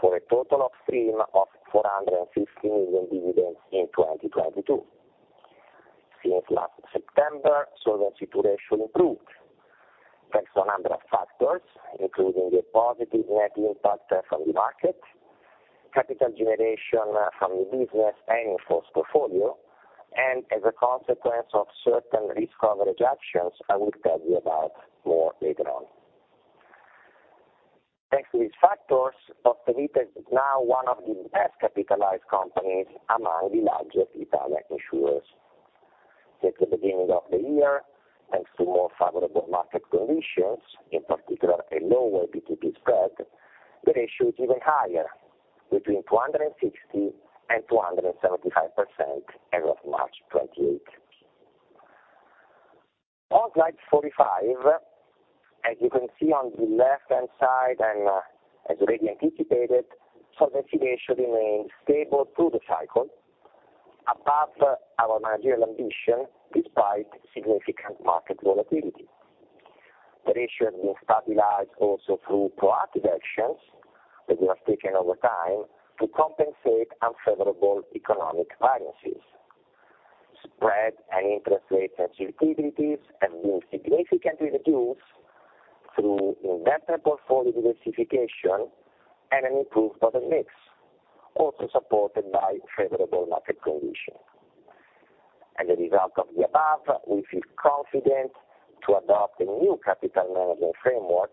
for a total of stream of 450 million dividends in 2022. Last September, Solvency II ratio improved thanks to a number of factors, including the positive net impact from the market, capital generation from the business and enforced portfolio, as a consequence of certain risk coverage actions I will tell you about more later on. Thanks to these factors, Poste Italiane is now one of the best capitalized companies among the larger Italian insurers. Since the beginning of the year, thanks to more favorable market conditions, in particular a lower BTP spread, the ratio is even higher, between 260%-275% as of March 28. On slide 45, as you can see on the left-hand side, as already anticipated, solvency ratio remains stable through the cycle above our managerial ambition despite significant market volatility. The ratio has been stabilized also through proactive actions that we have taken over time to compensate unfavorable economic variances. Spread and interest rate sensitivities have been significantly reduced through investment portfolio diversification and an improved product mix, also supported by favorable market conditions. As a result of the above, we feel confident to adopt a new capital management framework,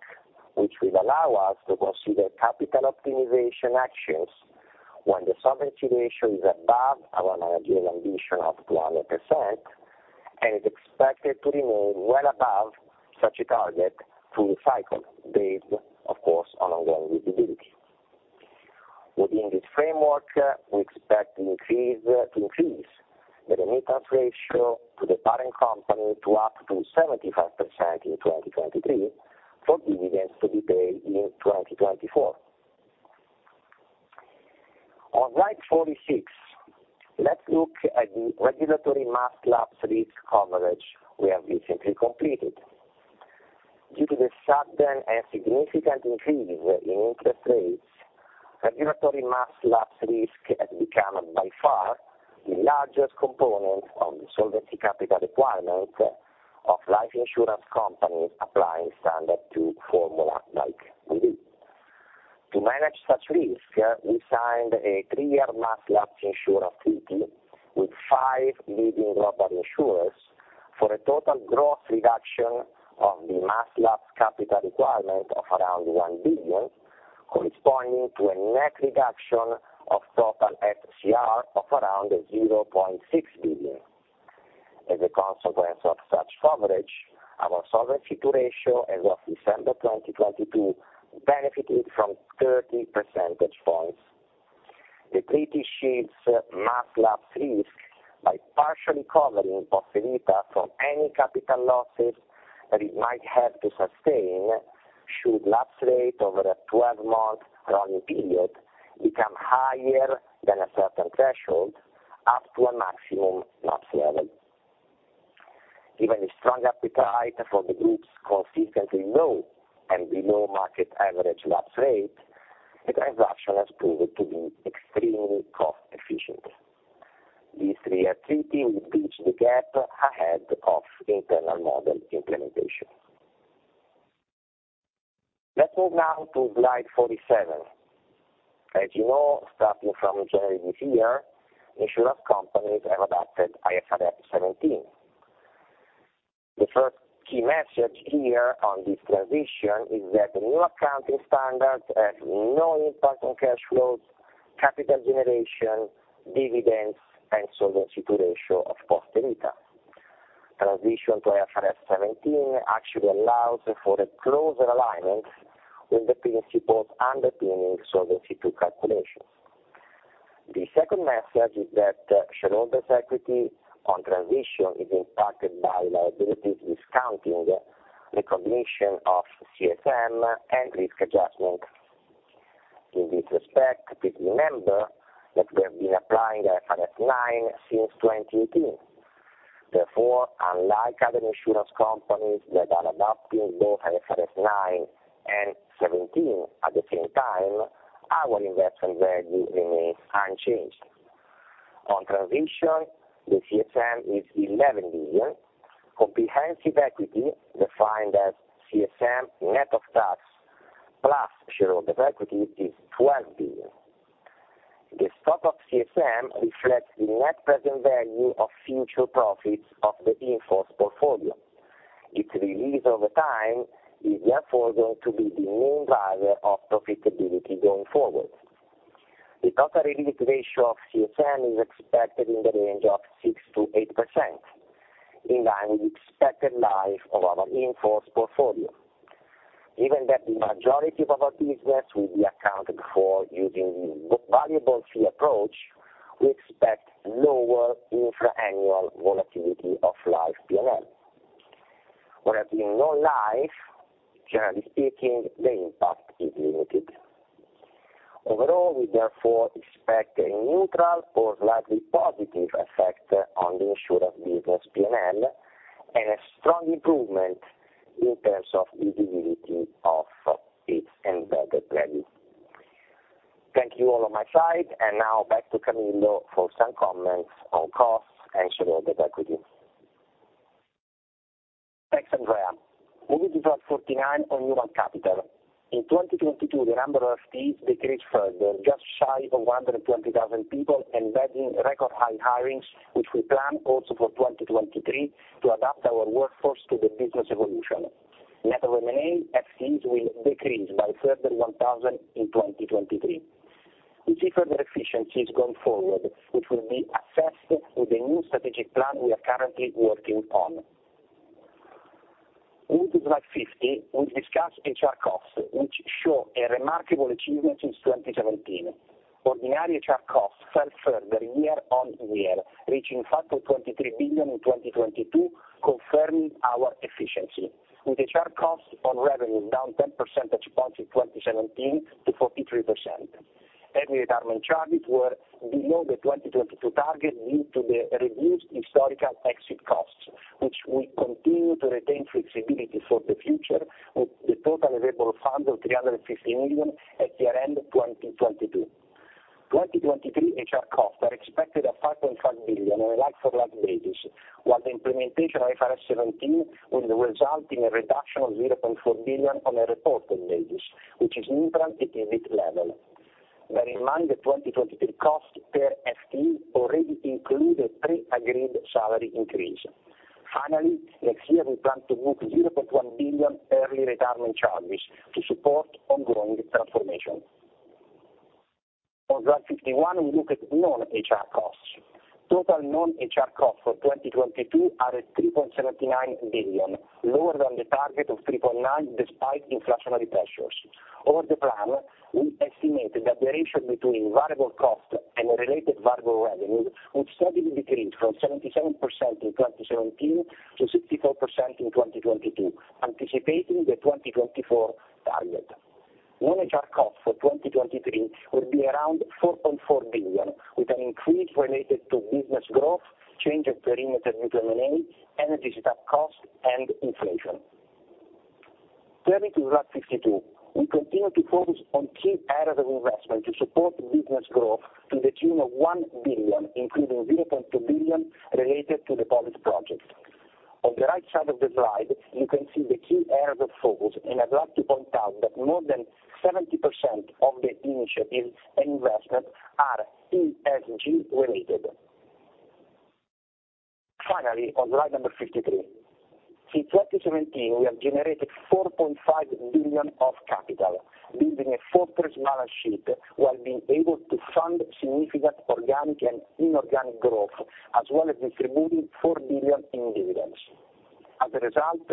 which will allow us to consider capital optimization actions when the solvency ratio is above our managerial ambition of 200% and is expected to remain well above such a target through the cycle based, of course, on ongoing visibility. Within this framework, we expect to increase the remittance ratio to the parent company to up to 75% in 2023, for dividends to be paid in 2024. On slide 46, let's look at the regulatory Mass Lapse risk coverage we have recently completed. Due to the sudden and significant increase in interest rates, regulatory Mass Lapse risk has become by far the largest component of the Solvency Capital Requirement of life insurance companies applying Standard Formula like we do. To manage such risk, we signed a 3-year Mass Lapse insurance treaty with 5 leading global insurers for a total gross reduction of the Mass Lapse capital requirement of around 1 billion, corresponding to a net reduction of total FCR of around 0.6 billion. As a consequence of such coverage, our Solvency II ratio as of December 2022 benefited from 30 percentage points. The treaty shields ass lapse risks by partially covering Poste Vita from any capital losses that it might have to sustain should lapse rate over a 12-month running period become higher than a certain threshold up to a maximum lapse level. Given the strong appetite for the group's consistently low and below market average lapse rate, the transaction has proved to be extremely cost efficient. These 3 year treaty will bridge the gap ahead of internal model implementation. Let's move now to slide 47. As you know, starting from January this year, insurance companies have adopted IFRS 17. The first key message here on this transition is that the new accounting standards have no impact on cash flows, capital generation, dividends, and Solvency II ratio of Poste Vita. Transition to IFRS 17 actually allows for a closer alignment with the principles underpinning Solvency II calculations. The second message is that shareholder's equity on transition is impacted by liabilities discounting, recognition of CSM, and risk adjustment. In this respect, please remember that we have been applying IFRS 9 since 2018. Unlike other insurance companies that are adopting both IFRS 9 and 17 at the same time, our investment value remains unchanged. On transition, the CSM is 11 billion. Comprehensive equity defined as CSM net of tax, plus shareholder's equity is 12 billion. The stock of CSM reflects the net present value of future profits of the in-force portfolio. Its release over time is therefore going to be the main driver of profitability going forward. The total release ratio of CSM is expected in the range of 6%-8%, in line with the expected life of our in-force portfolio. Given that the majority of our business will be accounted for using the variable fee approach, we expect lower infra annual volatility of life P&L. In non-life, generally speaking, the impact is limited. Overall, we therefore expect a neutral or slightly positive effect on the insurance business P&L, and a strong improvement in terms of visibility of its embedded value. Thank you all on my side, and now back to Camillo for some comments on costs and shareholder's equity. Thanks, Andrea. Moving to slide 49 on human capital. In 2022, the number of FTEs decreased further, just shy of 120,000 people, embedding record high hirings, which we plan also for 2023 to adapt our workforce to the business evolution. Net of M&A, FTEs will decrease by further 1,000 in 2023. We see further efficiencies going forward, which will be assessed with the new strategic plan we are currently working on. Moving to slide 50, we discuss HR costs, which show a remarkable achievement since 2017. Ordinary HR costs fell further year-on-year, reaching 5.23 billion in 2022, confirming our efficiency, with HR costs on revenue down 10 percentage points in 2017 to 43%. Early retirement charges were below the 2022 target due to the reduced historical exit costs, which will continue to retain flexibility for the future with the total available fund of 350 million at year end 2022. 2023 HR costs are expected at 5.5 billion on a like for like basis, while the implementation of IFRS 17 will result in a reduction of 0.4 billion on a reported basis, which is neutral at EBITDA level. Bear in mind the 2023 cost per FTE already include a pre-agreed salary increase. Next year we plan to book 0.1 billion early retirement charges to support ongoing transformation. On slide 51, we look at non-HR costs. Total non-HR costs for 2022 are at 3.79 billion, lower than the target of 3.9 billion despite inflationary pressures. Over the plan, we estimate that the ratio between variable cost and related variable revenue would steadily decrease from 77% in 2017 to 64% in 2022, anticipating the 2024 target. Non-HR costs for 2023 will be around 4.4 billion, with an increase related to business growth, change of perimeter with M&A, energy startup costs and inflation. Turning to slide 52. We continue to focus on key areas of investment to support business growth to the tune of 1 billion, including 0.2 billion related to the Polis project. On the right side of the slide, you can see the key areas of focus, and I'd like to point out that more than 70% of the initiatives and investment are ESG related. Finally, on slide number 53. Since 2017, we have generated 4.5 billion of capital, building a fortress balance sheet while being able to fund significant organic and inorganic growth, as well as distributing 4 billion in dividends. As a result,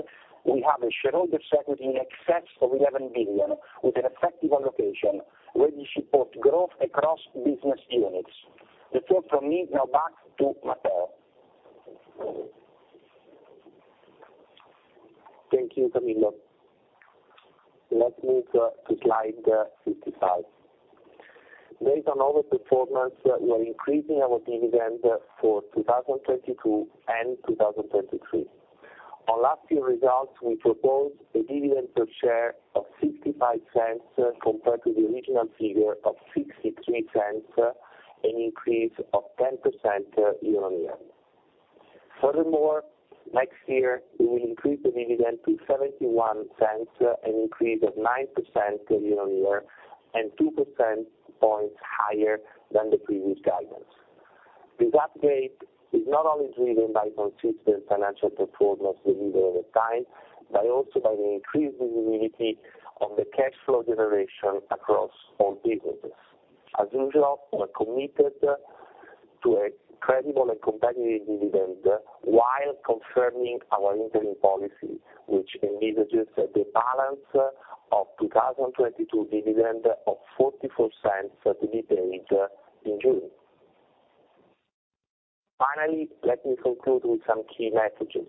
we have a shareholder equity in excess of 11 billion, with an effective allocation, ready to support growth across business units. That's all from me. Now back to Matteo. Thank you, Camillo. Let's move to slide 55. Based on our performance, we are increasing our dividend for 2022 and 2023. On last year results, we proposed a dividend per share of 0.65 compared to the original figure of 0.63, an increase of 10% year-over-year. Next year we will increase the dividend to 0.71, an increase of 9% year-over-year and 2 percentage points higher than the previous guidance. This upgrade is not only driven by consistent financial performance delivered over time, but also by the increased visibility of the cash flow generation across all businesses. As usual, we are committed to a credible and competitive dividend while confirming our interim policy, which envisages the balance of 2022 dividend of 0.44 to be paid in June. Let me conclude with some key messages.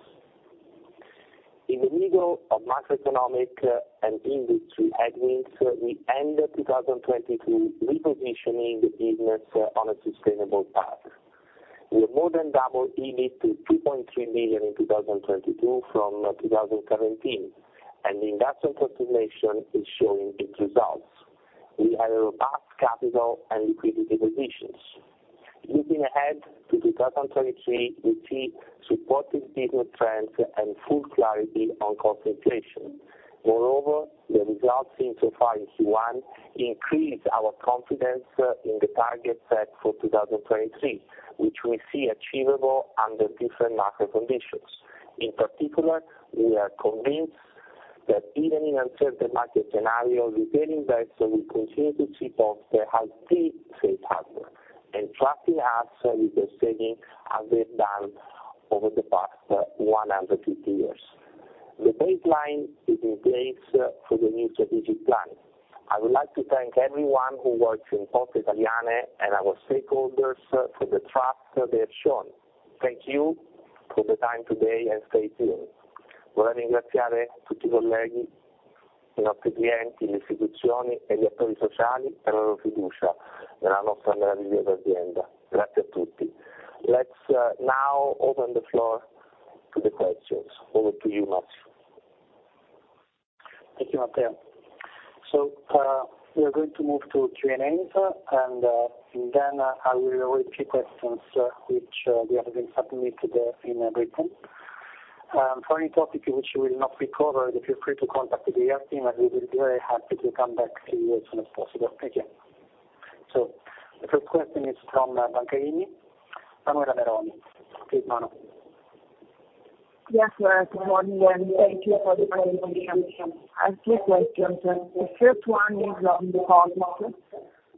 In the middle of macroeconomic and industry headwinds, we end 2022 repositioning the business on a sustainable path. We have more than doubled EBIT to 2.3 million in 2022 from 2017. The investment continuation is showing its results. We have a robust capital and liquidity positions. Looking ahead to 2023, we see supportive business trends and full clarity on cost inflation. The results seen so far in Q1 increase our confidence in the target set for 2023, which we see achievable under different market conditions. We are convinced that even in uncertain market scenario, retail investors will continue to see Poste as the safe harbor and trusting us with their savings as they've done over the past 150 years. The baseline is in place for the new strategic plan. I would like to thank everyone who works in Poste Italiane and our stakeholders for the trust they have shown. Thank you for the time today, and stay tuned. Let's now open the floor to the questions. Over to you, Massimo. Thank you, Matteo. We are going to move to Q&As, and then I will repeat questions which we have been submitted in written. For any topic which will not be covered, feel free to contact the IR team, and we will be very happy to come back to you as soon as possible. Thank you. The first question is from Banca IMI, Manuela Meroni. Please, Manuela. Yes, good morning, thank you for the presentation. I have two questions. The first one is on deposits.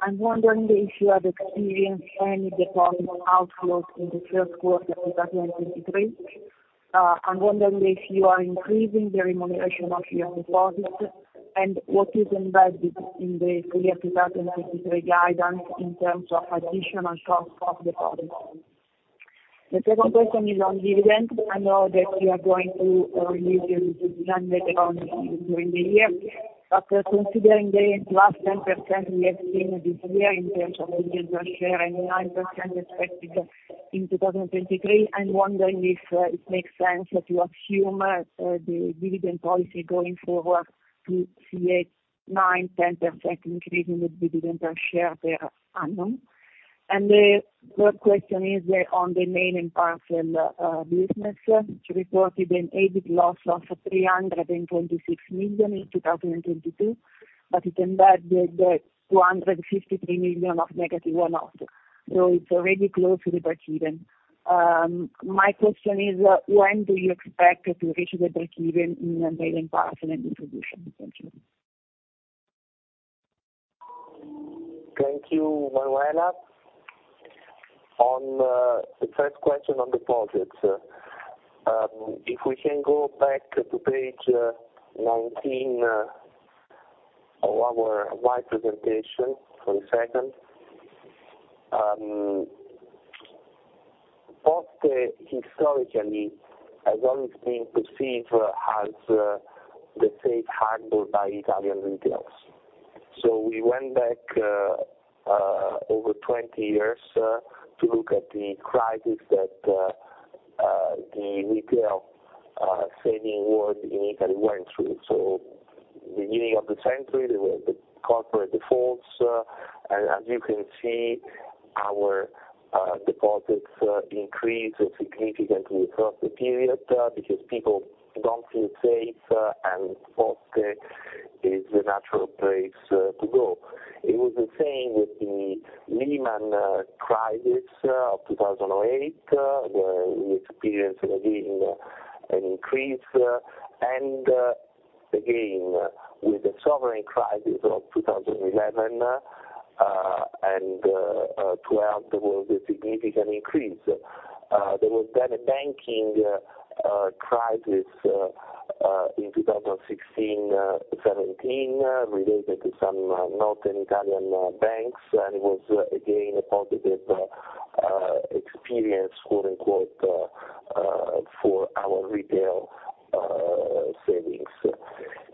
I'm wondering if you have experienced any deposit outflows in the first quarter of 2023. I'm wondering if you are increasing the remuneration of your deposits and what is embedded in the full year 2023 guidance in terms of additional cost of deposits. The second question is on dividends. I know that you are going to release your plan later on during the year. Considering the +10% we have seen this year in terms of dividend per share and 9% expected in 2023, I'm wondering if it makes sense that you assume the dividend policy going forward to see a 9%, 10% increase in the dividend per share per annum. The third question is on the mail and parcel business, which reported an EBIT loss of 326 million in 2022, but it embedded 253 million of negative one-off, so it's already close to the break even. My question is when do you expect to reach the break even in mail and parcel distribution? Thank you. Thank you, Manuela. On the first question on deposits, if we can go back to page 19 of our wide presentation for a second. Poste historically has always been perceived as the safe harbor by Italian retails. We went back over 20 years to look at the crisis that the retail saving world in Italy went through. The beginning of the century, there were the corporate defaults. As you can see, our deposits increased significantly across the period because people don't feel safe, and Poste is the natural place to go. It was the same with the Lehman crisis of 2008 where we experienced again an increase. Again, with the sovereign crisis of 2011 and throughout there was a significant increase. There was then a banking crisis in 2016-2017 related to some northern Italian banks. It was, again, a positive experience, quote-unquote, for our retail savings.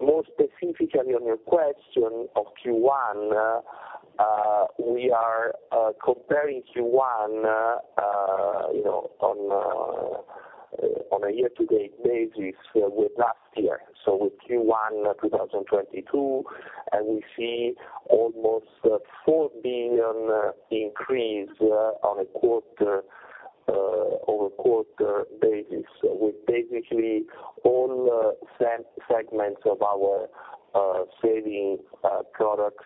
More specifically on your question of Q1, we are comparing Q1, you know, on on a year-to-date basis with last year, so with Q1 2022. We see almost 4 billion increase on a quarter-over-quarter basis, with basically all segments of our savings products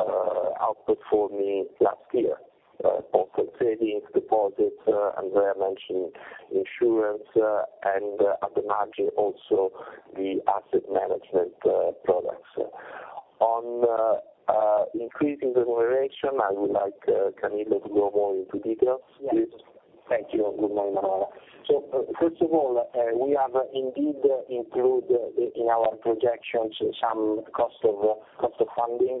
outperforming last year. Also savings, deposits, Andrea mentioned insurance, and at the margin also the asset management products. On increasing remuneration, I would like Camillo to go more into details, please. Yes. Thank you. Good morning, Manuela. First of all, we have indeed include in our projections some cost of, cost of funding.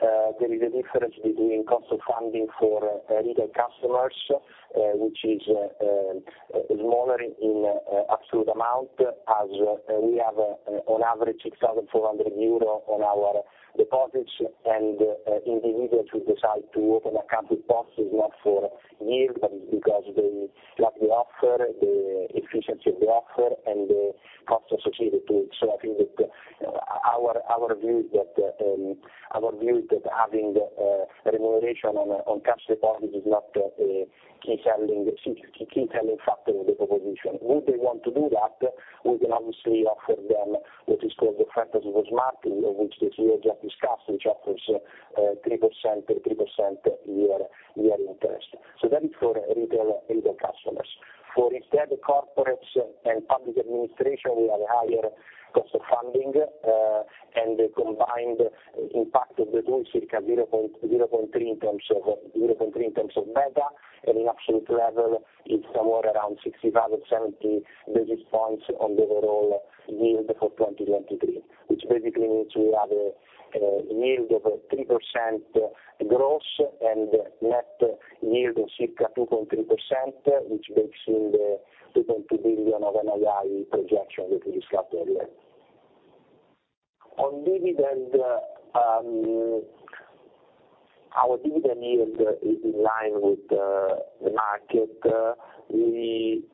There is a difference between cost of funding for retail customers, which is smaller in absolute amount as we have on average 6,400 on our deposits. Individuals who decide to open account with Post is not for yield, but it's because they like the offer, the efficiency of the offer, and the cost associated to it. I think that our view is that our view is that having remuneration on cash deposits is not a key selling factor of the proposition. Would they want to do that, we can obviously offer them what is called the Buono Smart, which the CEO just discussed, which offers 3% yearly interest. That is for retail customers. For instead corporates and public administration, we have higher cost of funding, and the combined impact of the two is circa 0.3 in terms of beta. In absolute level, it's somewhere around 65 or 70 basis points on the overall yield for 2023, which basically means we have a yield of 3% gross, and net yield of circa 2.3%, which bakes in the 2.2 billion of NII projection that we discussed earlier. On dividend, our dividend yield is in line with the market. We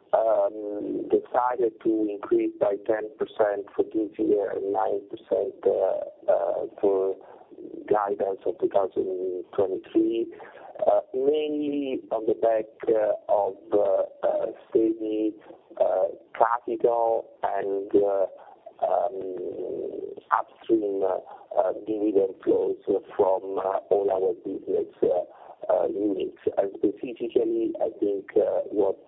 decided to increase by 10% for this year and 9% for guidance of 2023, mainly on the back of steady capital and upstream dividend flows from all our business units. Specifically, I think, what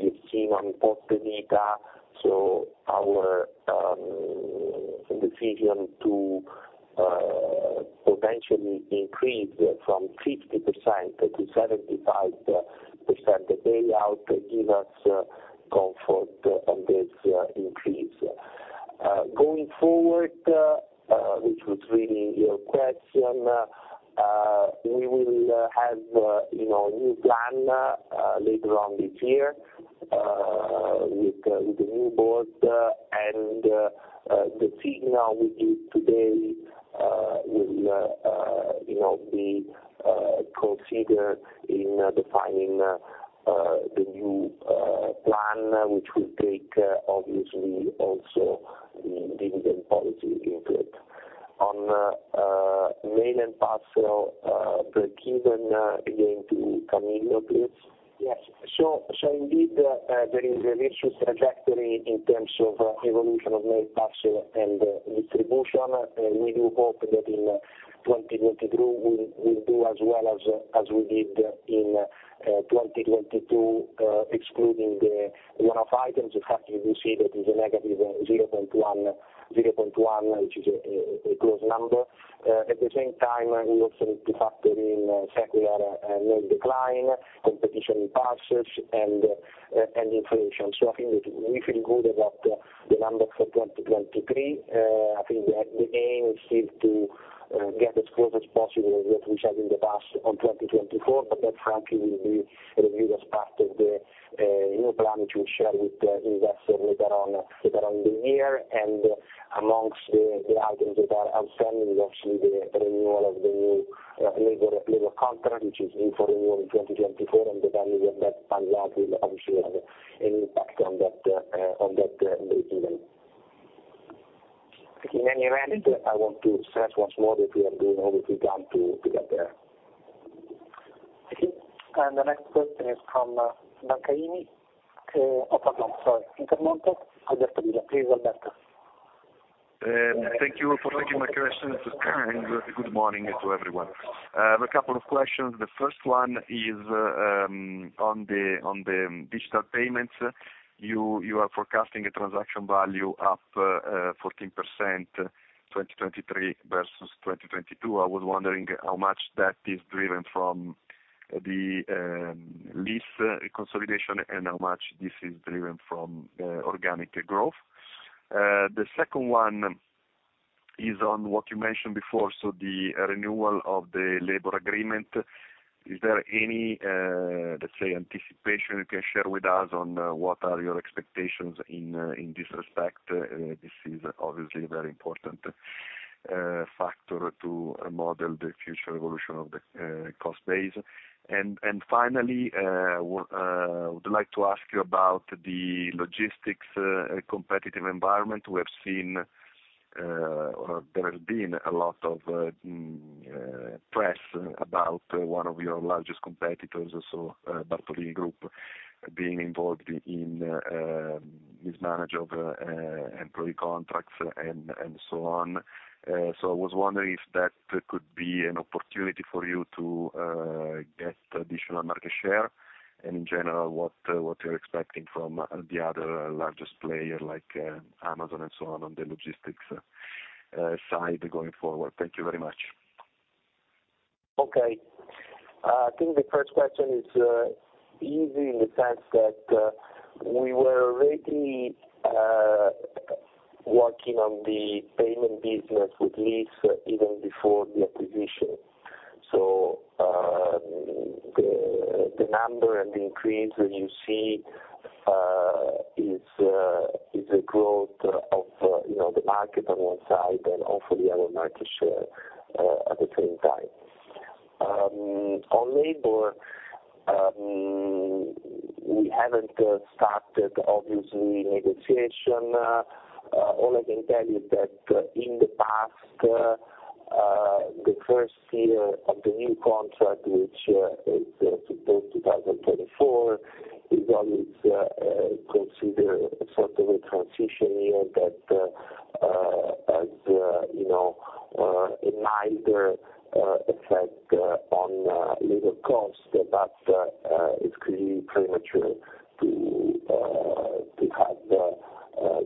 you've seen on Poste Vita, so our decision to potentially increase from 50%-75% payout give us comfort on this increase. Going forward, which was really your question, we will have, you know, a new plan later on this year with the new board. The signal we give today will, you know, be considered in defining the new plan, which will take, obviously, also the dividend policy into it. On mail and parcel, the key then, again, to Camillo, please. Yes. Indeed, there is a recent trajectory in terms of evolution of mail, parcel, and distribution. We do hope that in 2022, we'll do as well as we did in 2022, excluding the one-off items. In fact, you will see that is -0.1, which is a close number. At the same time, we also need to factor in secular mail decline, competition in parcels, and inflation. I think that we feel good about the numbers for 2023. I think the aim is still to get as close as possible with what we had in the past on 2024. That frankly will be reviewed as part of the new plan, which we'll share with investors later on the year. Amongst the items that are outstanding is obviously the renewal of the new labor contract, which is due for renewal in 2024, and the value of that payout will obviously have an impact on that mail key then. In any event, I want to stress once more that we are doing all that we can to get there. Okay. The next question is from, Bancaini, Opendoor, sorry, Intermonte. Alberto Villa. Please, Alberto. Thank you for taking my question, and good morning to everyone. I have a couple of questions. The first one is on the digital payments. You are forecasting a transaction value up, 14% 2023 versus 2022. I was wondering how much that is driven from the LIS consolidation and how much this is driven from organic growth. The second one is on what you mentioned before, so the renewal of the labor agreement. Is there any, let's say anticipation you can share with us on what are your expectations in this respect? This is obviously a very important factor to model the future evolution of the cost base. Finally, would like to ask you about the logistics competitive environment. We have seen, or there has been a lot of press about one of your largest competitors, so Bartolini Group being involved in mismanage of employee contracts and so on. I was wondering if that could be an opportunity for you to get additional market share. In general, what what you're expecting from the other largest player like Amazon and so on the logistics side going forward. Thank you very much. Okay. I think the first question is easy in the sense that we were already working on the payment business with LIS even before the acquisition. The number and the increase that you see is the growth of, you know, the market on one side and also the other market share at the same time. On labor, we haven't started obviously negotiation. All I can tell you that in the past, the first year of the new contract, which is supposed 2024, is always considered sort of a transition year that has, you know, a minor effect on labor cost, but it's clearly premature to have the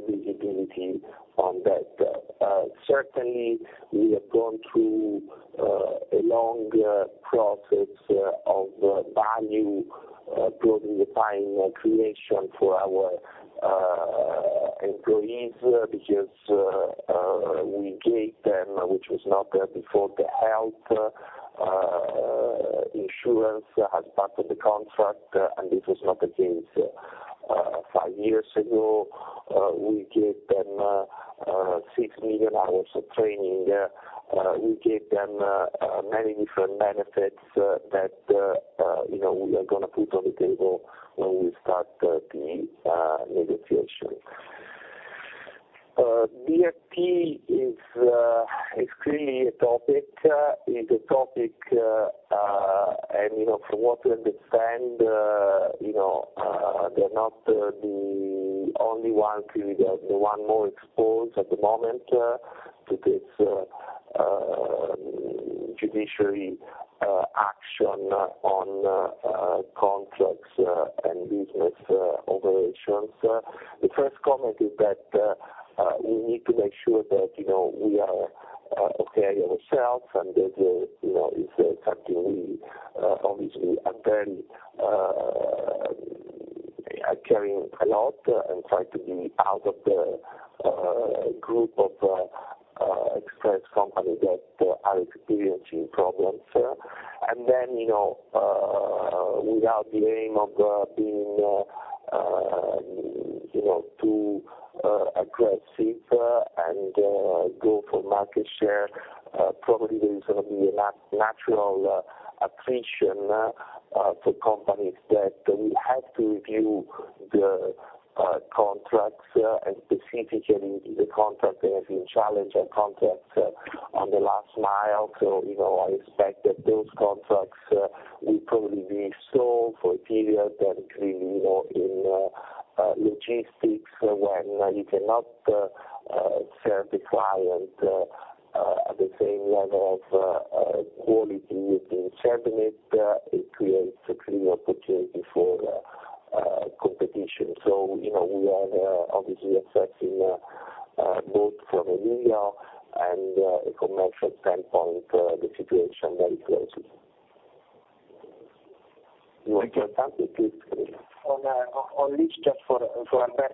visibility on that. Certainly we have gone through a long process of value probably defined creation for our employees, because we gave them, which was not there before, the health insurance as part of the contract, and this was not the case five years ago. We gave them 6 million hours of training. We gave them many different benefits that, you know, we are gonna put on the table when we start the negotiation. DSP is clearly a topic. It's a topic, and you know, from what we understand, you know, they're not the only one clearly the one more exposed at the moment to this judiciary action on contracts and business operations. The first comment is that, we need to make sure that, you know, we are okay ourselves, and that, you know, it's something we obviously attend, carrying a lot and try to be out of the group of express company that are experiencing problems. Then, you know, without the aim of being, you know, too aggressive, and go for market share, probably there is gonna be a natural attrition for companies that we have to review the contracts, and specifically the contract that has been challenged are contracts on the last mile. I expect that those contracts will probably be sold for a period. Clearly, you know, in logistics, when you cannot serve the client at the same level of quality you've been serving it creates a clear opportunity for competition. You know, we are obviously assessing both from a legal and a commercial standpoint the situation very closely. Please. On LIS just for Alberto,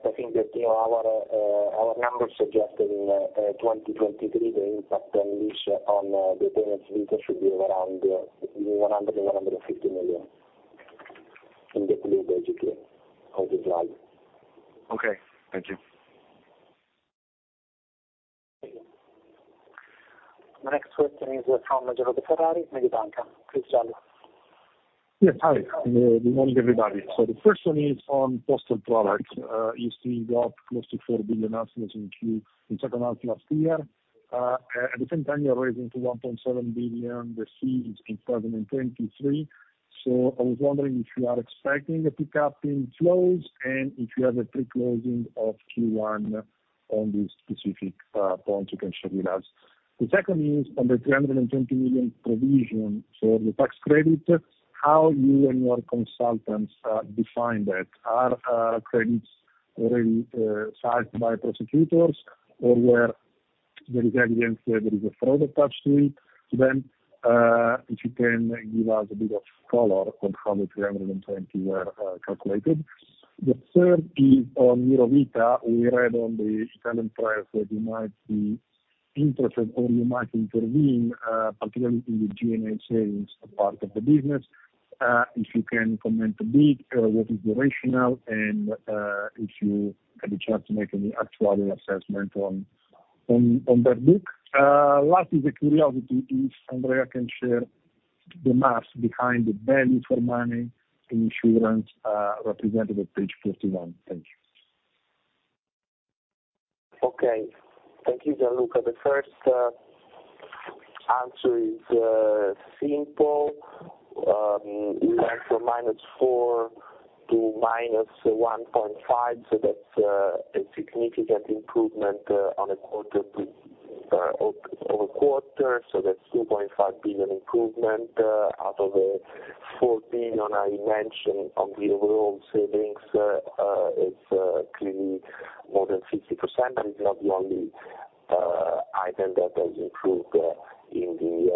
I think that, you know, our numbers suggested in 2023, the impact on LIS on the payments we did should be around 100 million-150 million, and that include basically all the drive. Okay. Thank you. The next question is from Gianluca Ferrari, Mediobanca. Please, Gianluca. Yes. Hi. Good morning, everybody. The first one is on postal products. you see you got close to 4 billion in second half last year. At the same time, you are raising to 1.7 billion receipts in 2023. I was wondering if you are expecting a pickup in flows, and if you have a pre-closing of Q1 on these specific points you can share with us. The second is on the 320 million provision for the tax credit, how you and your consultants define that. Are credits already signed by prosecutors, or where there is evidence where there is a fraud attached to it? If you can give us a bit of color on how the 320 were calculated. The third is on Eurovita. We read on the Italian press that you might be interested, or you might intervene, particularly in the GNA sharing part of the business. If you can comment a bit, what is the rationale, and if you had a chance to make any actual assessment on their book. Last is a curiosity, if Andrea can share the math behind the value for money insurance, represented at page 51. Thank you. Okay. Thank you, Gianluca. The first answer is simple. We went from -4 to -1.5, that's a significant improvement on a quarter-over-quarter. That's 2.5 billion improvement out of the 4 billion I mentioned on the overall savings. It's clearly more than 50%, but it's not the only item that has improved in the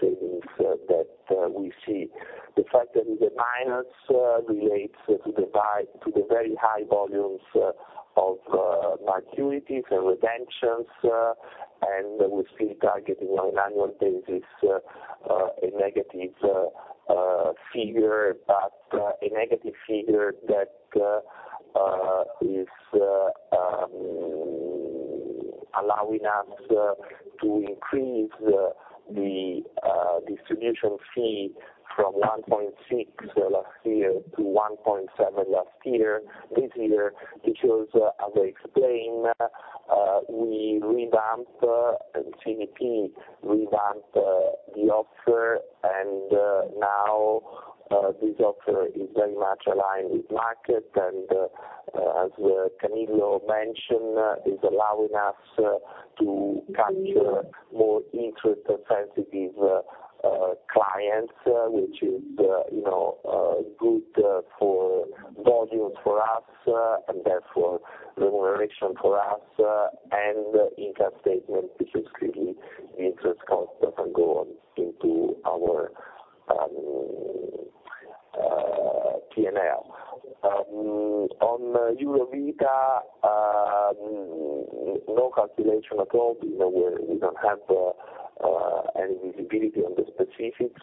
savings that we see. The fact that it's a minus relates to the very high volumes of maturities and redemptions, and we're still targeting on annual basis a negative figure, but a negative figure that is allowing us to increase the distribution fee from 1.6 last year-1.7 last year, this year, because as I explained, we revamped, and CNP revamped the offer, and now this offer is very much aligned with market. As Camillo mentioned, is allowing us to capture more interest sensitive clients, which is, you know, good for volumes for us, and therefore remuneration for us, and income statement, because clearly the interest cost doesn't go on into our PNL. On Eurovita, no calculation at all. You know, we don't have any visibility on the specifics.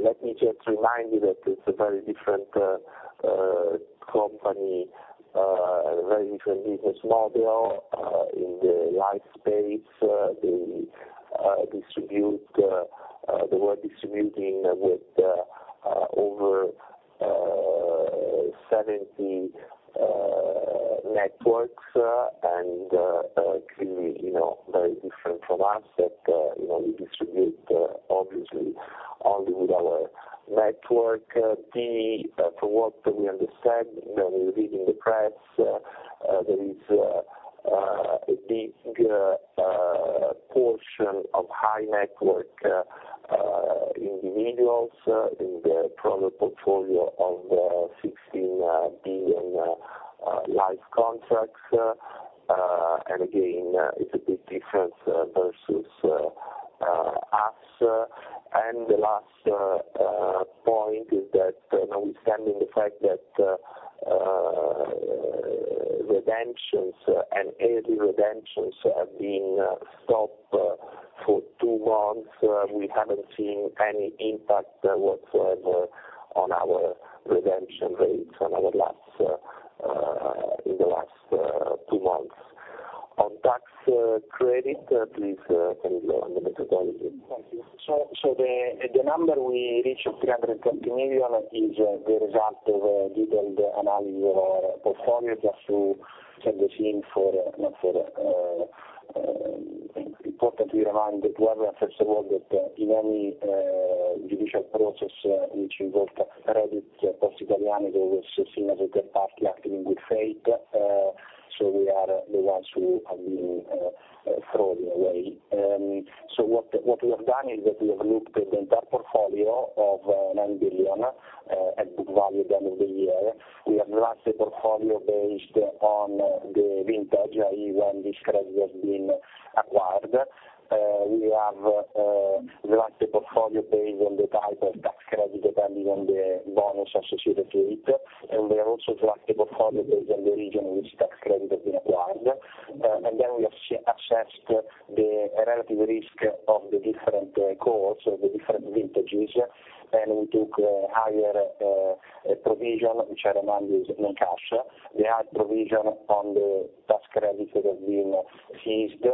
Let me just remind you that it's a very different company, a very different business model in the life space. They distribute, they were distributing with over 70 networks, clearly, you know, very different from us that, you know, we distribute obviously only with our network. The, from what we understand, you know, reading the press, there is a big portion of high net worth individuals in their product portfolio of 16 billion life contracts. Again, it's a big difference versus us. The last point is that, you know, we're standing the fact that redemptions and early redemptions have been stopped for 2 months. We haven't seen any impact whatsoever on our redemption rates on our last in the last 2 months. On tax credit, please, Camillo on the methodology. Thank you. The number we reached of 320 million is the result of a detailed analysis of our portfolio just to set the scene for, you know, for importantly remind that we have first of all that in any judicial process which involved credit to Poste Italiane, there was seen as a third party acting in good faith. We are the ones who have been thrown away. What we have done is that we have looked at the entire portfolio of 9 billion at book value at the end of the year. We have sliced the portfolio based on the vintage, i.e., when this credit has been acquired. We have sliced the portfolio based on the type of tax credit depending on the bonus associated to it. We have also sliced the portfolio based on the region in which tax credit has been acquired. Then we assessed the relative risk of the different cohorts, so the different vintages, and we took a higher provision, which I remind you is in cash. We had provision on the tax credit that have been seized,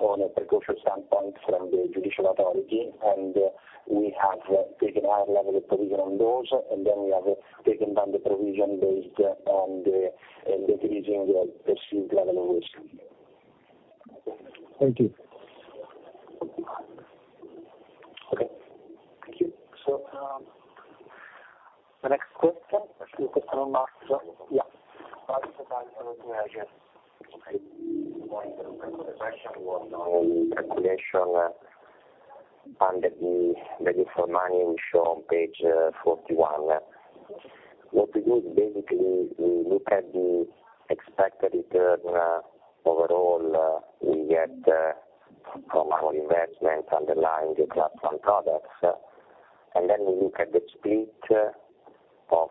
on a precautious standpoint from the judicial authority, and we have taken a higher level of provision on those, and then we have taken down the provision based on the decreasing the perceived level of risk. Thank you. The next question. Yeah. calculation under the need for money we show on page 41. What we do is basically we look at the expected return, overall, we get, from our investments underlying the Class I products. Then we look at the split of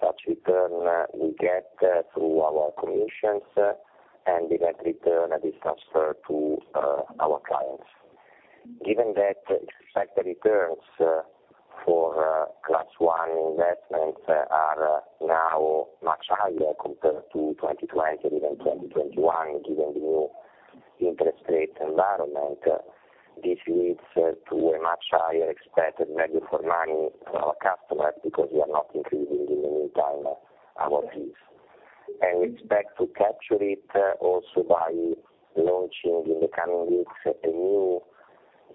such return we get through our commissions and direct return that is transferred to our clients. Given that the expected returns for Class I investments are now much higher compared to 2020, even 2021, given the new interest rate environment, this leads to a much higher expected value for money for our customers because we are not increasing in the meantime our fees. We expect to capture it also by launching in the coming weeks a new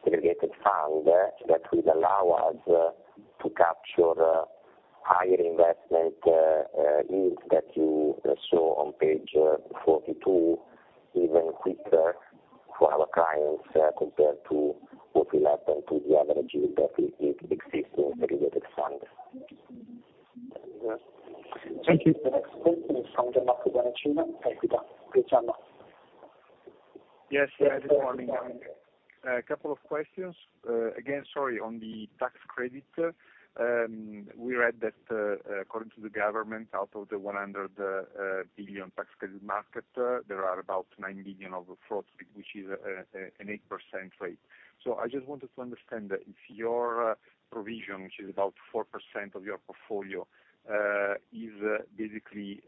segregated fund that will allow us to capture higher investment yields that you saw on page 42 even quicker for our clients compared to what will happen to the average yield that is in existing segregated funds. Thank you. The next question is from Gianmarco Bonacina, Equita. Yes. Gianmarco. Yes. Good morning. A couple of questions. Again, sorry, on the tax credit, we read that, according to the government, out of the 100 billion tax credit market, there are about 9 billion of fraud, which is an 8% rate. I just wanted to understand if your provision, which is about 4% of your portfolio, is basically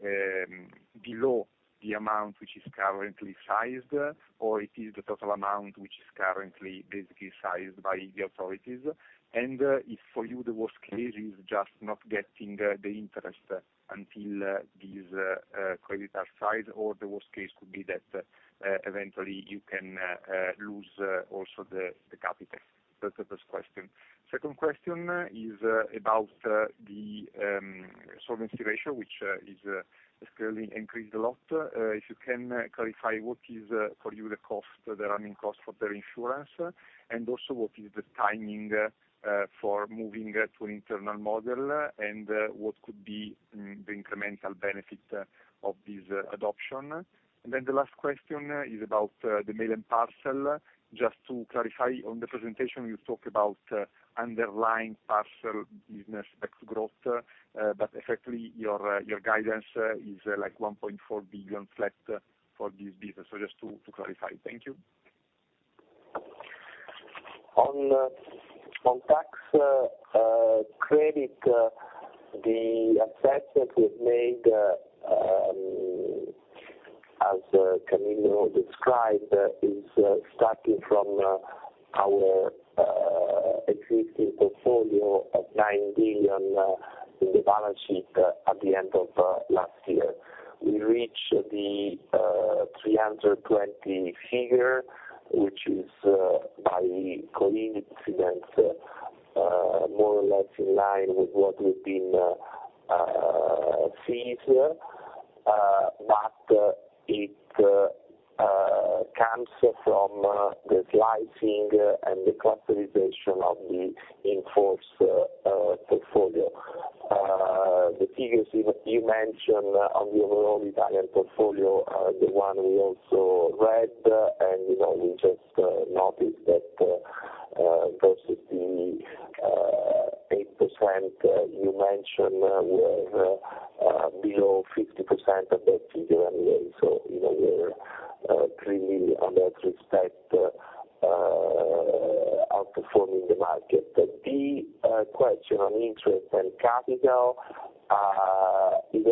below the amount which is currently sized, or it is the total amount which is currently basically sized by the authorities. If for you the worst case is just not getting the interest until these credit are sized, or the worst case could be that eventually you can lose also the capital. That's the first question. Second question is about the solvency ratio, which is clearly increased a lot. If you can clarify what is for you the cost, the running cost of the insurance, and also what is the timing for moving to an internal model and what could be the incremental benefit of this adoption? The last question is about the mail and parcel. Just to clarify, on the presentation, you talk about underlying parcel business ex growth, but effectively your guidance is, like, 1.4 billion flat for this business. Just to clarify. Thank you. On tax credit, the assessment we've made, as Camillo described, is starting from our existing portfolio of 9 billion in the balance sheet at the end of last year. We reached the 320 million figure, which is by coincidence more or less in line with what we've been fees. It comes from the slicing and the clusterization of the in-force portfolio. The figures you mentioned on the overall Italian portfolio are the one we also read. You know, we just noticed that versus the 8% you mentioned, we are below 50% of that figure anyway. You know, we're clearly on that respect outperforming the market. The question on interest and capital is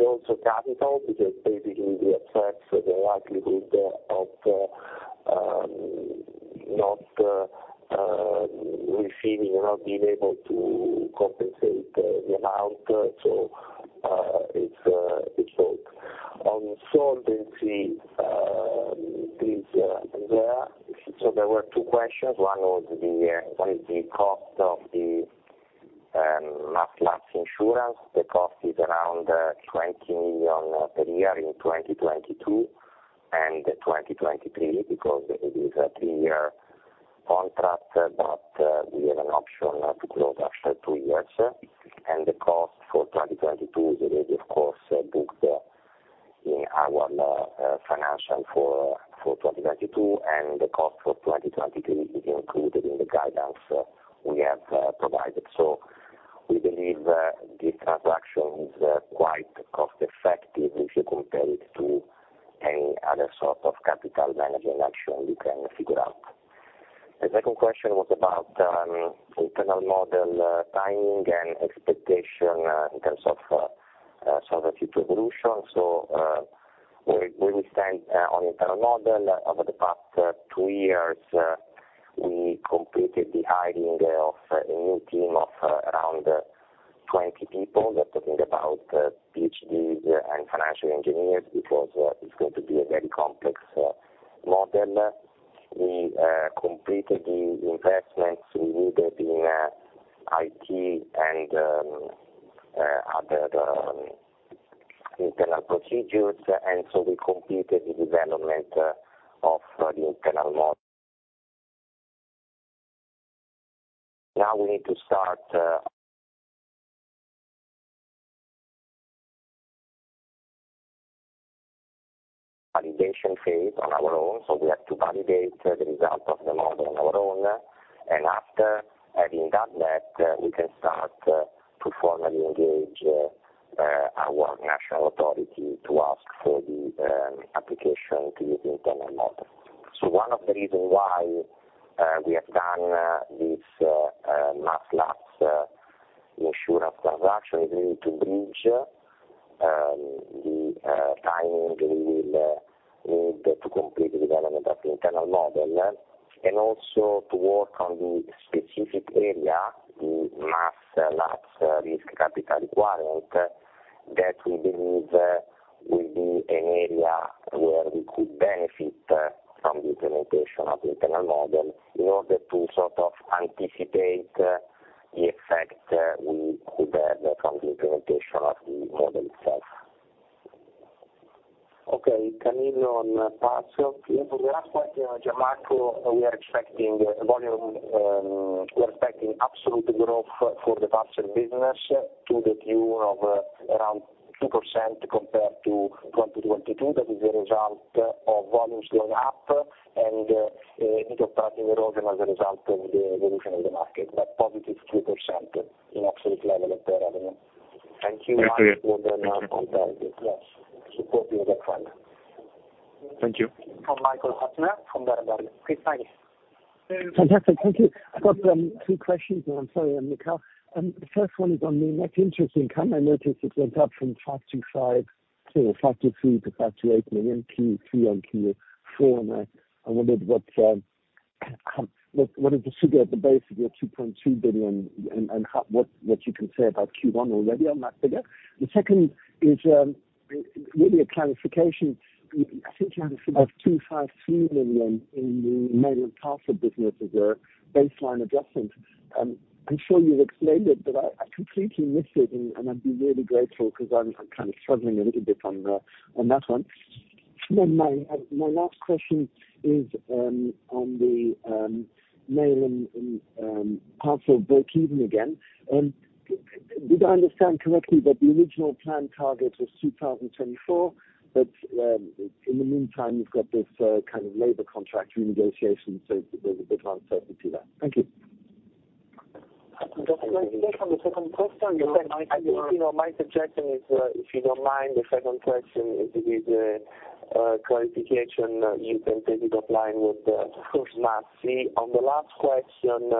also capital because basically we assess the likelihood of not receiving or not being able to compensate the amount. It's both. On solvency, please. There were 2 questions. 1 was what is the cost of the Mass Lapse insurance. The cost is around 20 million per year in 2022 and 2023 because it is a 3-year contract, we have an option to close after 2 years. The cost for 2022 is already of course booked in our financial for 2022, and the cost for 2023 is included in the guidance we have provided. We believe this transaction is quite cost effective if you compare it to any other sort of capital management action you can figure out. The second question was about internal model timing and expectation in terms of some of the future evolution. Where we stand on internal model. Over the past two years, we completed the hiring of a new team of around 20 people. We're talking about PhDs and financial engineers, because it's going to be a very complex model. We completed the investments we needed in IT and other internal procedures. We completed the development of the internal model. Now we need to start Validation phase on our own, so we have to validate the result of the model on our own. After having done that, we can start to formally engage our national authority to ask for the application to use the internal model. One of the reason why we have done this Mass Lapse insurance transaction is really to bridge the timing we will need to complete the development of the internal model, and also to work on the specific area, the Mass Lapse risk capital requirement that we believe will be an area where we could benefit from the implementation of the internal model in order to sort of anticipate the effect we could have from the implementation of the model itself. Okay. Camillo on parcel. For the last question, Gianmarco, we're expecting absolute growth for the parcel business to the tune of around 2% compared to 2022. That is a result of volumes going up, a bit of pricing erosion as a result of the evolution in the market. Positive 2% in absolute level of the revenue. Thank you. Thank you. Thank you. From Michael Huttner from Berenberg. Please, Mike. Fantastic. Thank you. I've got 2 questions, and I'm sorry, I'm Nicole. The first one is on the net interest income. I noticed it went up from 5 million-5 million, or 5 million to 3 million to 5 million to 8 million, Q3 on Q4. I wondered what is the figure at the base of your 2.2 billion, and how what you can say about Q1 already on that figure? The second is really a clarification. I think you had a figure of 253 million in the mail and parcel business as your baseline adjustment. I'm sure you've explained it, but I completely missed it, and I'd be really grateful because I'm kind of struggling a little bit on that one. My last question is on the mail and parcel breakeven again. Did I understand correctly that the original plan target was 2024, but in the meantime, you've got this kind of labor contract renegotiation, so there's a bit of uncertainty there? Thank you. Just to take on the second question. I think, you know, my suggestion is, if you don't mind, the second question is a clarification. You can take it offline with Massi. On the last question,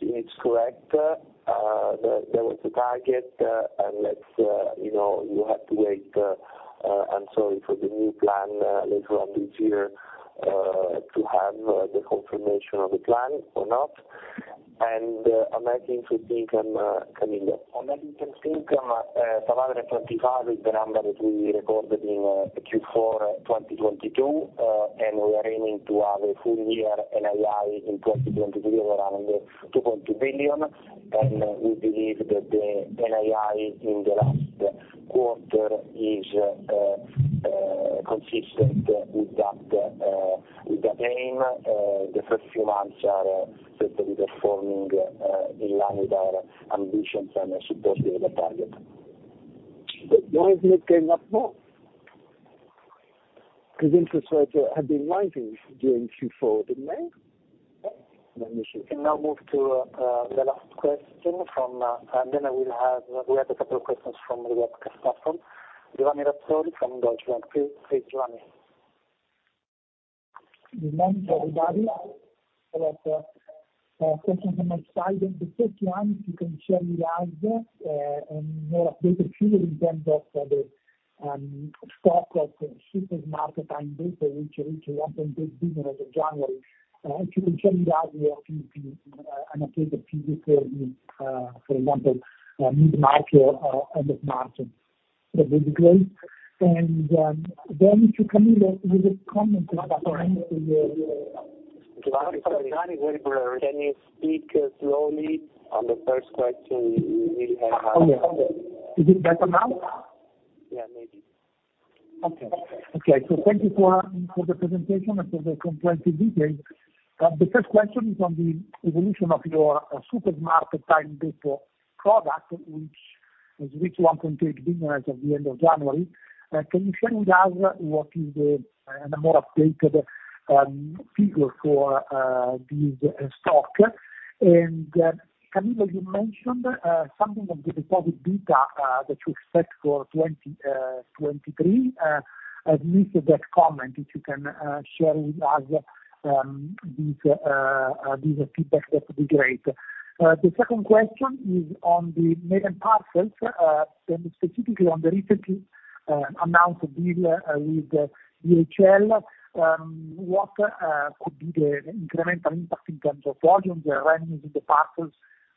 it's correct. There was a target, and let's, you know, you have to wait, I'm sorry, for the new plan later on this year to have the confirmation of the plan or not. On net interest income, Camillo. On net interest income, EUR 525 is the number that we recorded in Q4 2022. We are aiming to have a full year NII in 2023 of around 2.2 billion. We believe that the NII in the last quarter is consistent with that, with that aim. The first few months are certainly performing, in line with our ambitions and supporting the target. Why has it came up more? Interest rates have been rising during Q4, didn't they? We can now move to the last question from... We have a couple of questions from the webcast platform. Giovanni Razzoli from Deutsche Bank. Please, Giovanni. Good morning, everybody. Thank you for my slide. The first one, if you can show me live, a more updated figure in terms of the stock of Supermarket in Data, which reached 1.8 billion as of January. If you can show me live, an updated figure in, for example, mid-March or end of March, that would be great. Then to Camillo with a comment about. Sorry. Giovanni, sorry. Can you speak slowly? On the first question, we really have. Okay. Okay. Is it better now? Yeah, maybe. Okay. Okay. Thank you for the presentation and for the comprehensive details. The first question is on the evolution of your Supermarket in Data product, which was reached 1.8 billion as of the end of January. Can you show me live what is the more updated figure for this stock? Camillo, you mentioned something on the deposit beta that you expect for 2023. I've missed that comment. If you can share with us this feedback, that'd be great. The second question is on the mail and parcels and specifically on the recently announced deal with DHL. What could be the incremental impact in terms of volumes and revenues in the parcels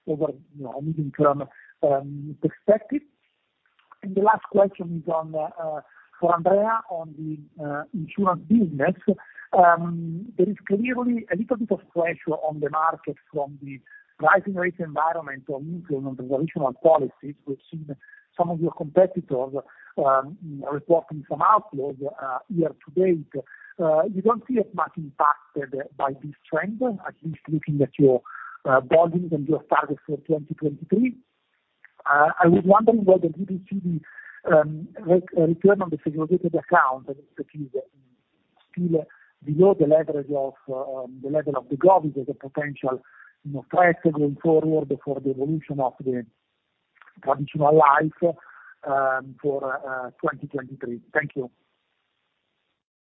over, you know, a medium-term perspective? The last question is on for Andrea on the insurance business. There is clearly a little bit of pressure on the market from the rising rate environment on income on the traditional policies. We've seen some of your competitors reporting some outflows year to date. You don't feel much impacted by this trend, at least looking at your guidance and your targets for 2023. I was wondering whether you would see the return on the segregated account, that is still below the leverage of the level of the gov as a potential, you know, threat going forward for the evolution of the traditional life for 2023. Thank you.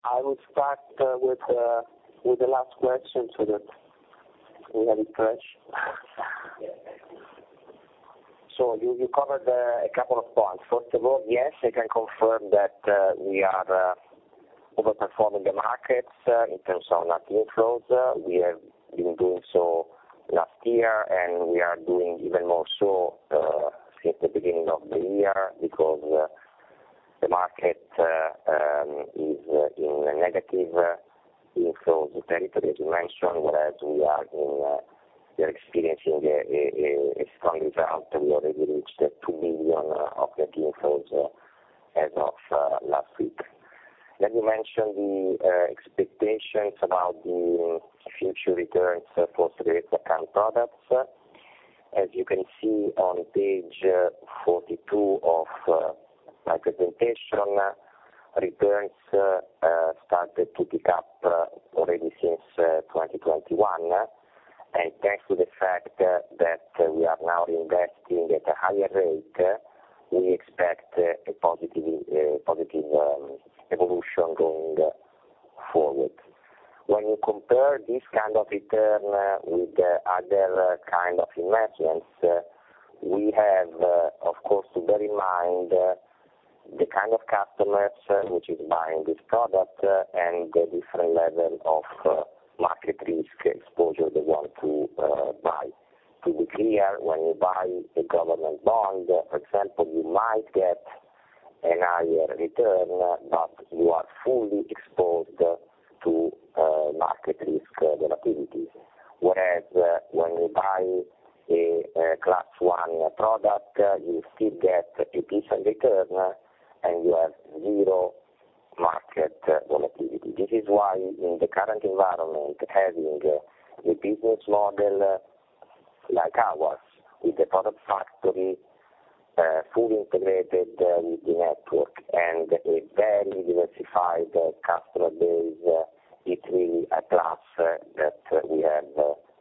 I will start with the last question so that we have it fresh. You covered a couple of points. First of all, yes, I can confirm that we are overperforming the markets in terms of net inflows. We have been doing so last year, and we are doing even more so since the beginning of the year because the market is in a negative inflows territory, as you mentioned, whereas we are experiencing a strong result. We already reached 2 million of net inflows as of last week. You mentioned the expectations about the future returns for segregated account products. As you can see on page 42 of my presentation, returns started to pick up already since 2021. Thanks to the fact that we are now investing at a higher rate, we expect a positive evolution going forward. When you compare this kind of return with other kind of investments, we have, of course, to bear in mind the kind of customers which is buying this product, and the different level of market risk exposure they want to buy. To be clear, when you buy a government bond, for example, you might get a higher return, but you are fully exposed to market risk volatilities. Whereas when you buy a Class I product, you still get a decent return, and you have zero market volatility. This is why in the current environment, having a business model like ours with a product factory, fully integrated with the network and a very diversified customer base, it's really a plus that we have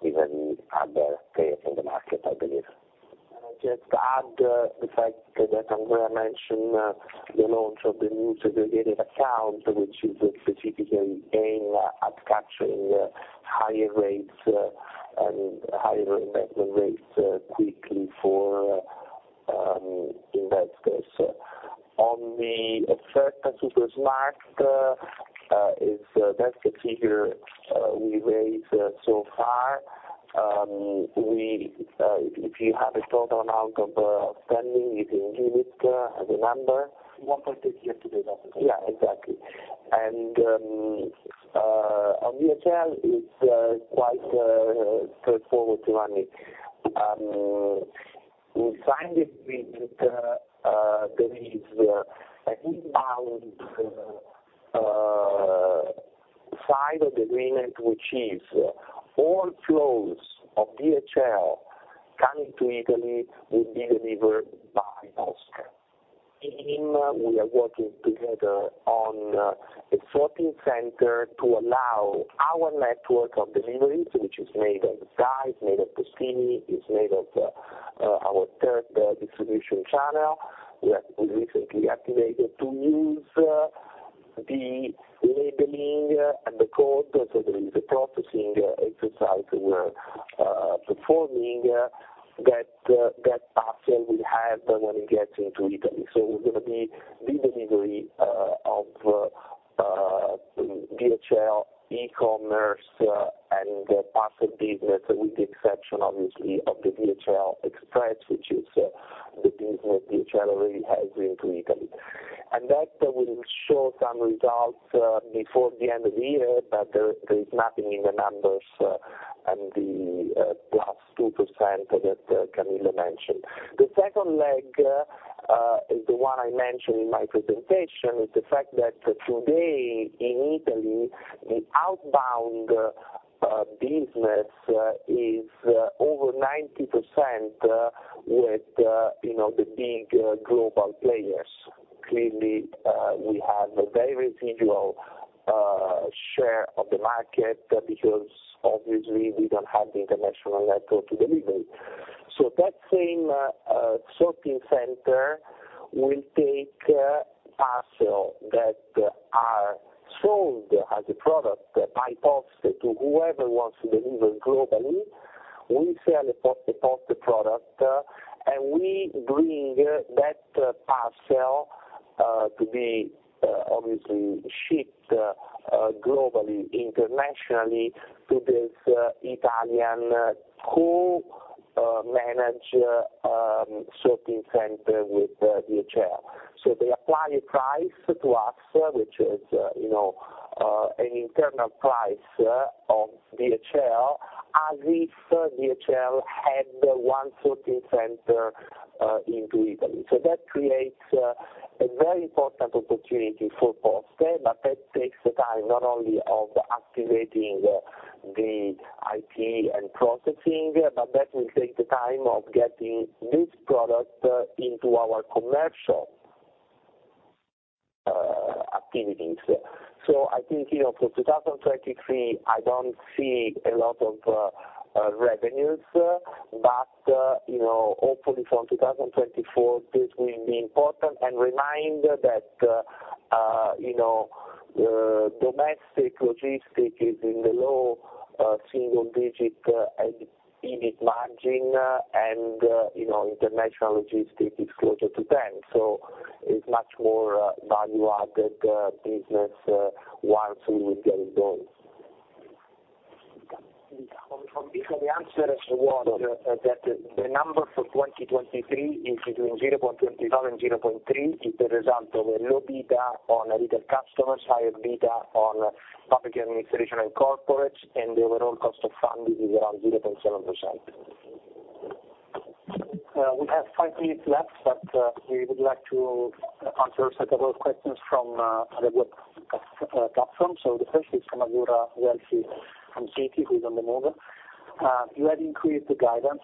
even other players in the market, I believe. Can I just add the fact that Andrea mentioned the launch of the new segregated account, which is specifically aimed at capturing higher rates and higher investment rates quickly for investors. On the effect on SuperSmart, is that's the figure we raised so far. We, if you have a total amount of spending, you can give it as a number. 1.6% year to date, approximately. Yeah. Exactly. On DHL, it's quite straightforward, Ronny. We signed this agreement, there is an inbound side of the agreement, which is all flows of DHL coming to Italy will be delivered by Posten. We are working together on a sorting center to allow our network of deliveries, which is made of guys, made of Postini, it's made of our third distribution channel we recently activated to use the labeling and the code, so there is a processing exercise and performing that parcel will have when it gets into Italy. We're gonna be the delivery of DHL e-commerce and parcel business, with the exception obviously of the DHL Express, which is the business DHL already has into Italy. That will show some results before the end of the year, but there is nothing in the numbers and the plus 2% that Camillo mentioned. The second leg is the one I mentioned in my presentation, is the fact that today in Italy, the outbound business is over 90% with, you know, the big global players. Clearly, we have a very residual share of the market because obviously we don't have the international network to deliver it. That same sorting center will take parcel that are sold as a product by Post to whoever wants to deliver globally. We sell the Poste product, and we bring that parcel to be obviously shipped globally, internationally to this Italian co manage sorting center with DHL. They apply a price to us, which is, you know, an internal price of DHL, as if DHL had one sorting center into Italy. That creates a very important opportunity for Poste, but that takes the time not only of activating the IT and processing, but that will take the time of getting this product into our commercial activities. I think, you know, for 2023, I don't see a lot of revenues, but, you know, hopefully from 2024, this will be important. Remind that, you know, domestic logistic is in the low, single digit, EBIT margin and, you know, international logistic is closer to 10. It's much more, value-added, business, once we will get going. From this, the answer is what? That the number for 2023 is between 0.27%, 0.3% is the result of a low beta on retail customers, higher beta on public administration and corporates, and the overall cost of funding is around 0.7%. We have 5 minutes left, we would like to answer a set of questions from the web platform. The first is from Azura Meroni from J.P. Morgan, who is on the move. You had increased the guidance,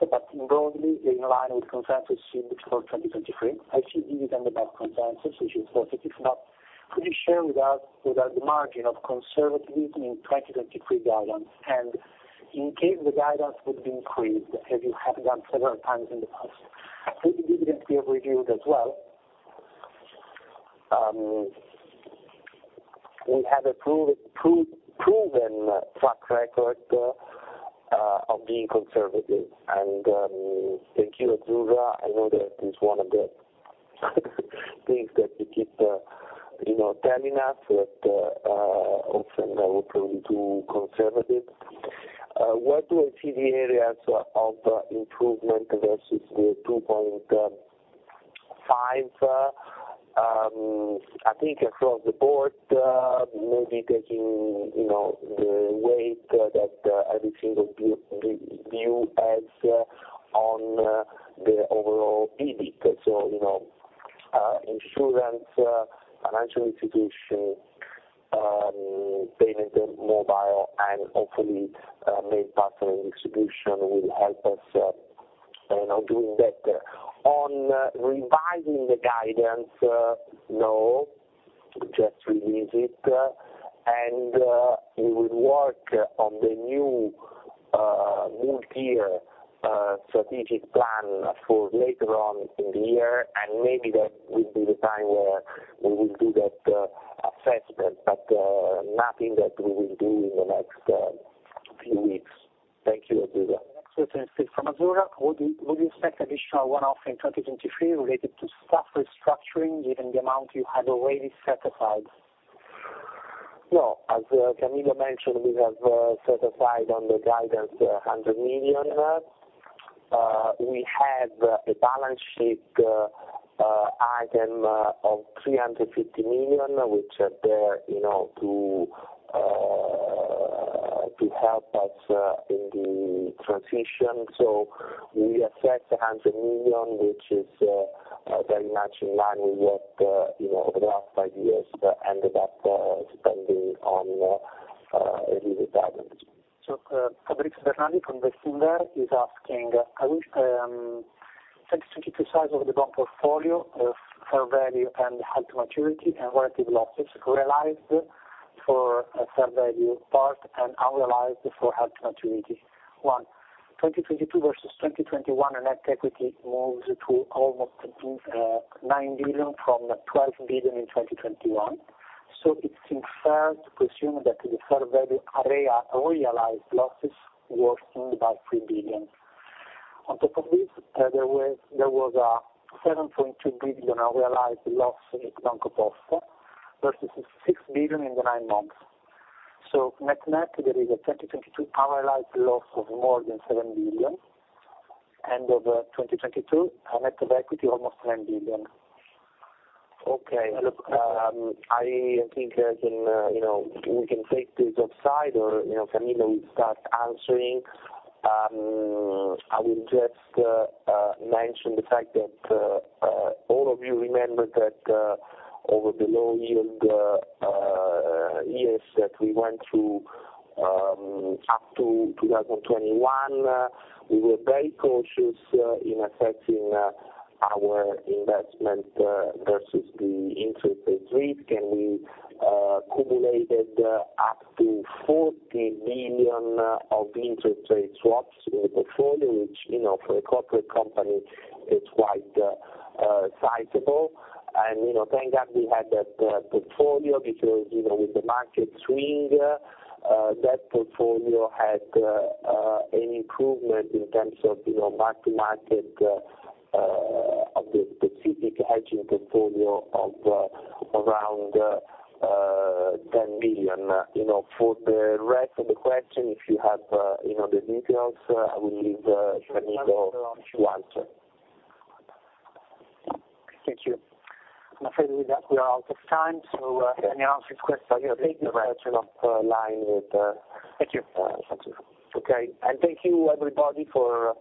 broadly in line with consensus for 2023. Actually, even under that consensus, which is positive. Could you share with us the margin of conservatism in 2023 guidance? In case the guidance would be increased, as you have done several times in the past, could the dividends be reviewed as well? We have a proven track record of being conservative. Thank you, Azura. I know that is one of the things that you keep, you know, telling us that often are we probably too conservative. Where do I see the areas of improvement versus the 2.5? I think across the board, maybe taking, you know, the weight that every single has on the overall EBIT. You know, insurance, financial institution, payment mobile, and hopefully, main partner in distribution will help us, you know, doing that. On revising the guidance, no, just revisit. We will work on the new multi-year strategic plan for later on in the year, and maybe that will be the time where we will do that assessment, but nothing that we will do in the next few weeks. Thank you, Azura. Next question is still from Azura. Would you expect additional one-off in 2023 related to staff restructuring, given the amount you had already set aside? No. As Camillo mentioned, we have set aside on the guidance EUR 100 million. We have a balance sheet item of 350 million, which are there, you know, to help us in the transition. We affect 100 million, which is very much in line with what, you know, over the last 5 years ended up spending on guidance. Federico Bonanni from Mediolanum is asking, 2022 size of the group portfolio of fair value and held-to-maturity and relative losses realized for a fair value part and unrealized for held-to-maturity. One, 2022 versus 2021, our net equity moves to almost 9 billion from 12 billion in 2021. It seems fair to presume that the fair value realized losses were in by 3 billion. On top of this, there was a 7.2 billion unrealized loss in BancoPosta versus 6 billion in the nine months. Net-net, there is a 2022 unrealized loss of more than 7 billion. End of 2022, our net equity almost 9 billion. Okay. Look, I think as in, you know, we can take this offside or, you know, Camillo will start answering. I will just mention the fact that all of you remember that over the low yield years that we went through, up to 2021, we were very cautious in affecting our investment versus the interest rate risk. We accumulated up to 40 billion of interest rate swaps in the portfolio, which, you know, for a corporate company is quite sizable. You know, thank God we had that portfolio because, you know, with the market swing, that portfolio had an improvement in terms of, you know, mark-to-market of the specific hedging portfolio of around EUR 10 billion. You know, for the rest of the question, if you have, you know, the details, I will leave Camillo to answer. Thank you. I'm afraid with that we are out of time. Any answers. Thank you. -line with. Thank you. Thank you. Okay. Thank you, everybody, for...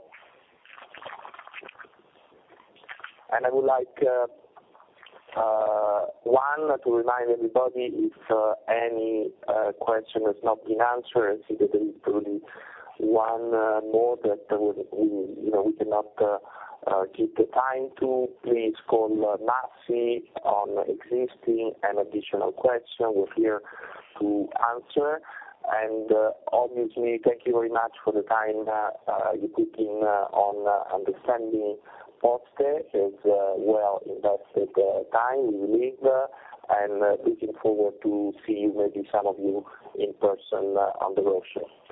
I would like, one, to remind everybody if, any, question has not been answered, I see that there is probably one, more that we, you know, we cannot, keep the time to, please call Massi on existing and additional question. We're here to answer. Obviously, thank you very much for the time, you put in on understanding Poste. It's, well invested, time, we believe, and looking forward to see you, maybe some of you in person on the roadshow. Thank you.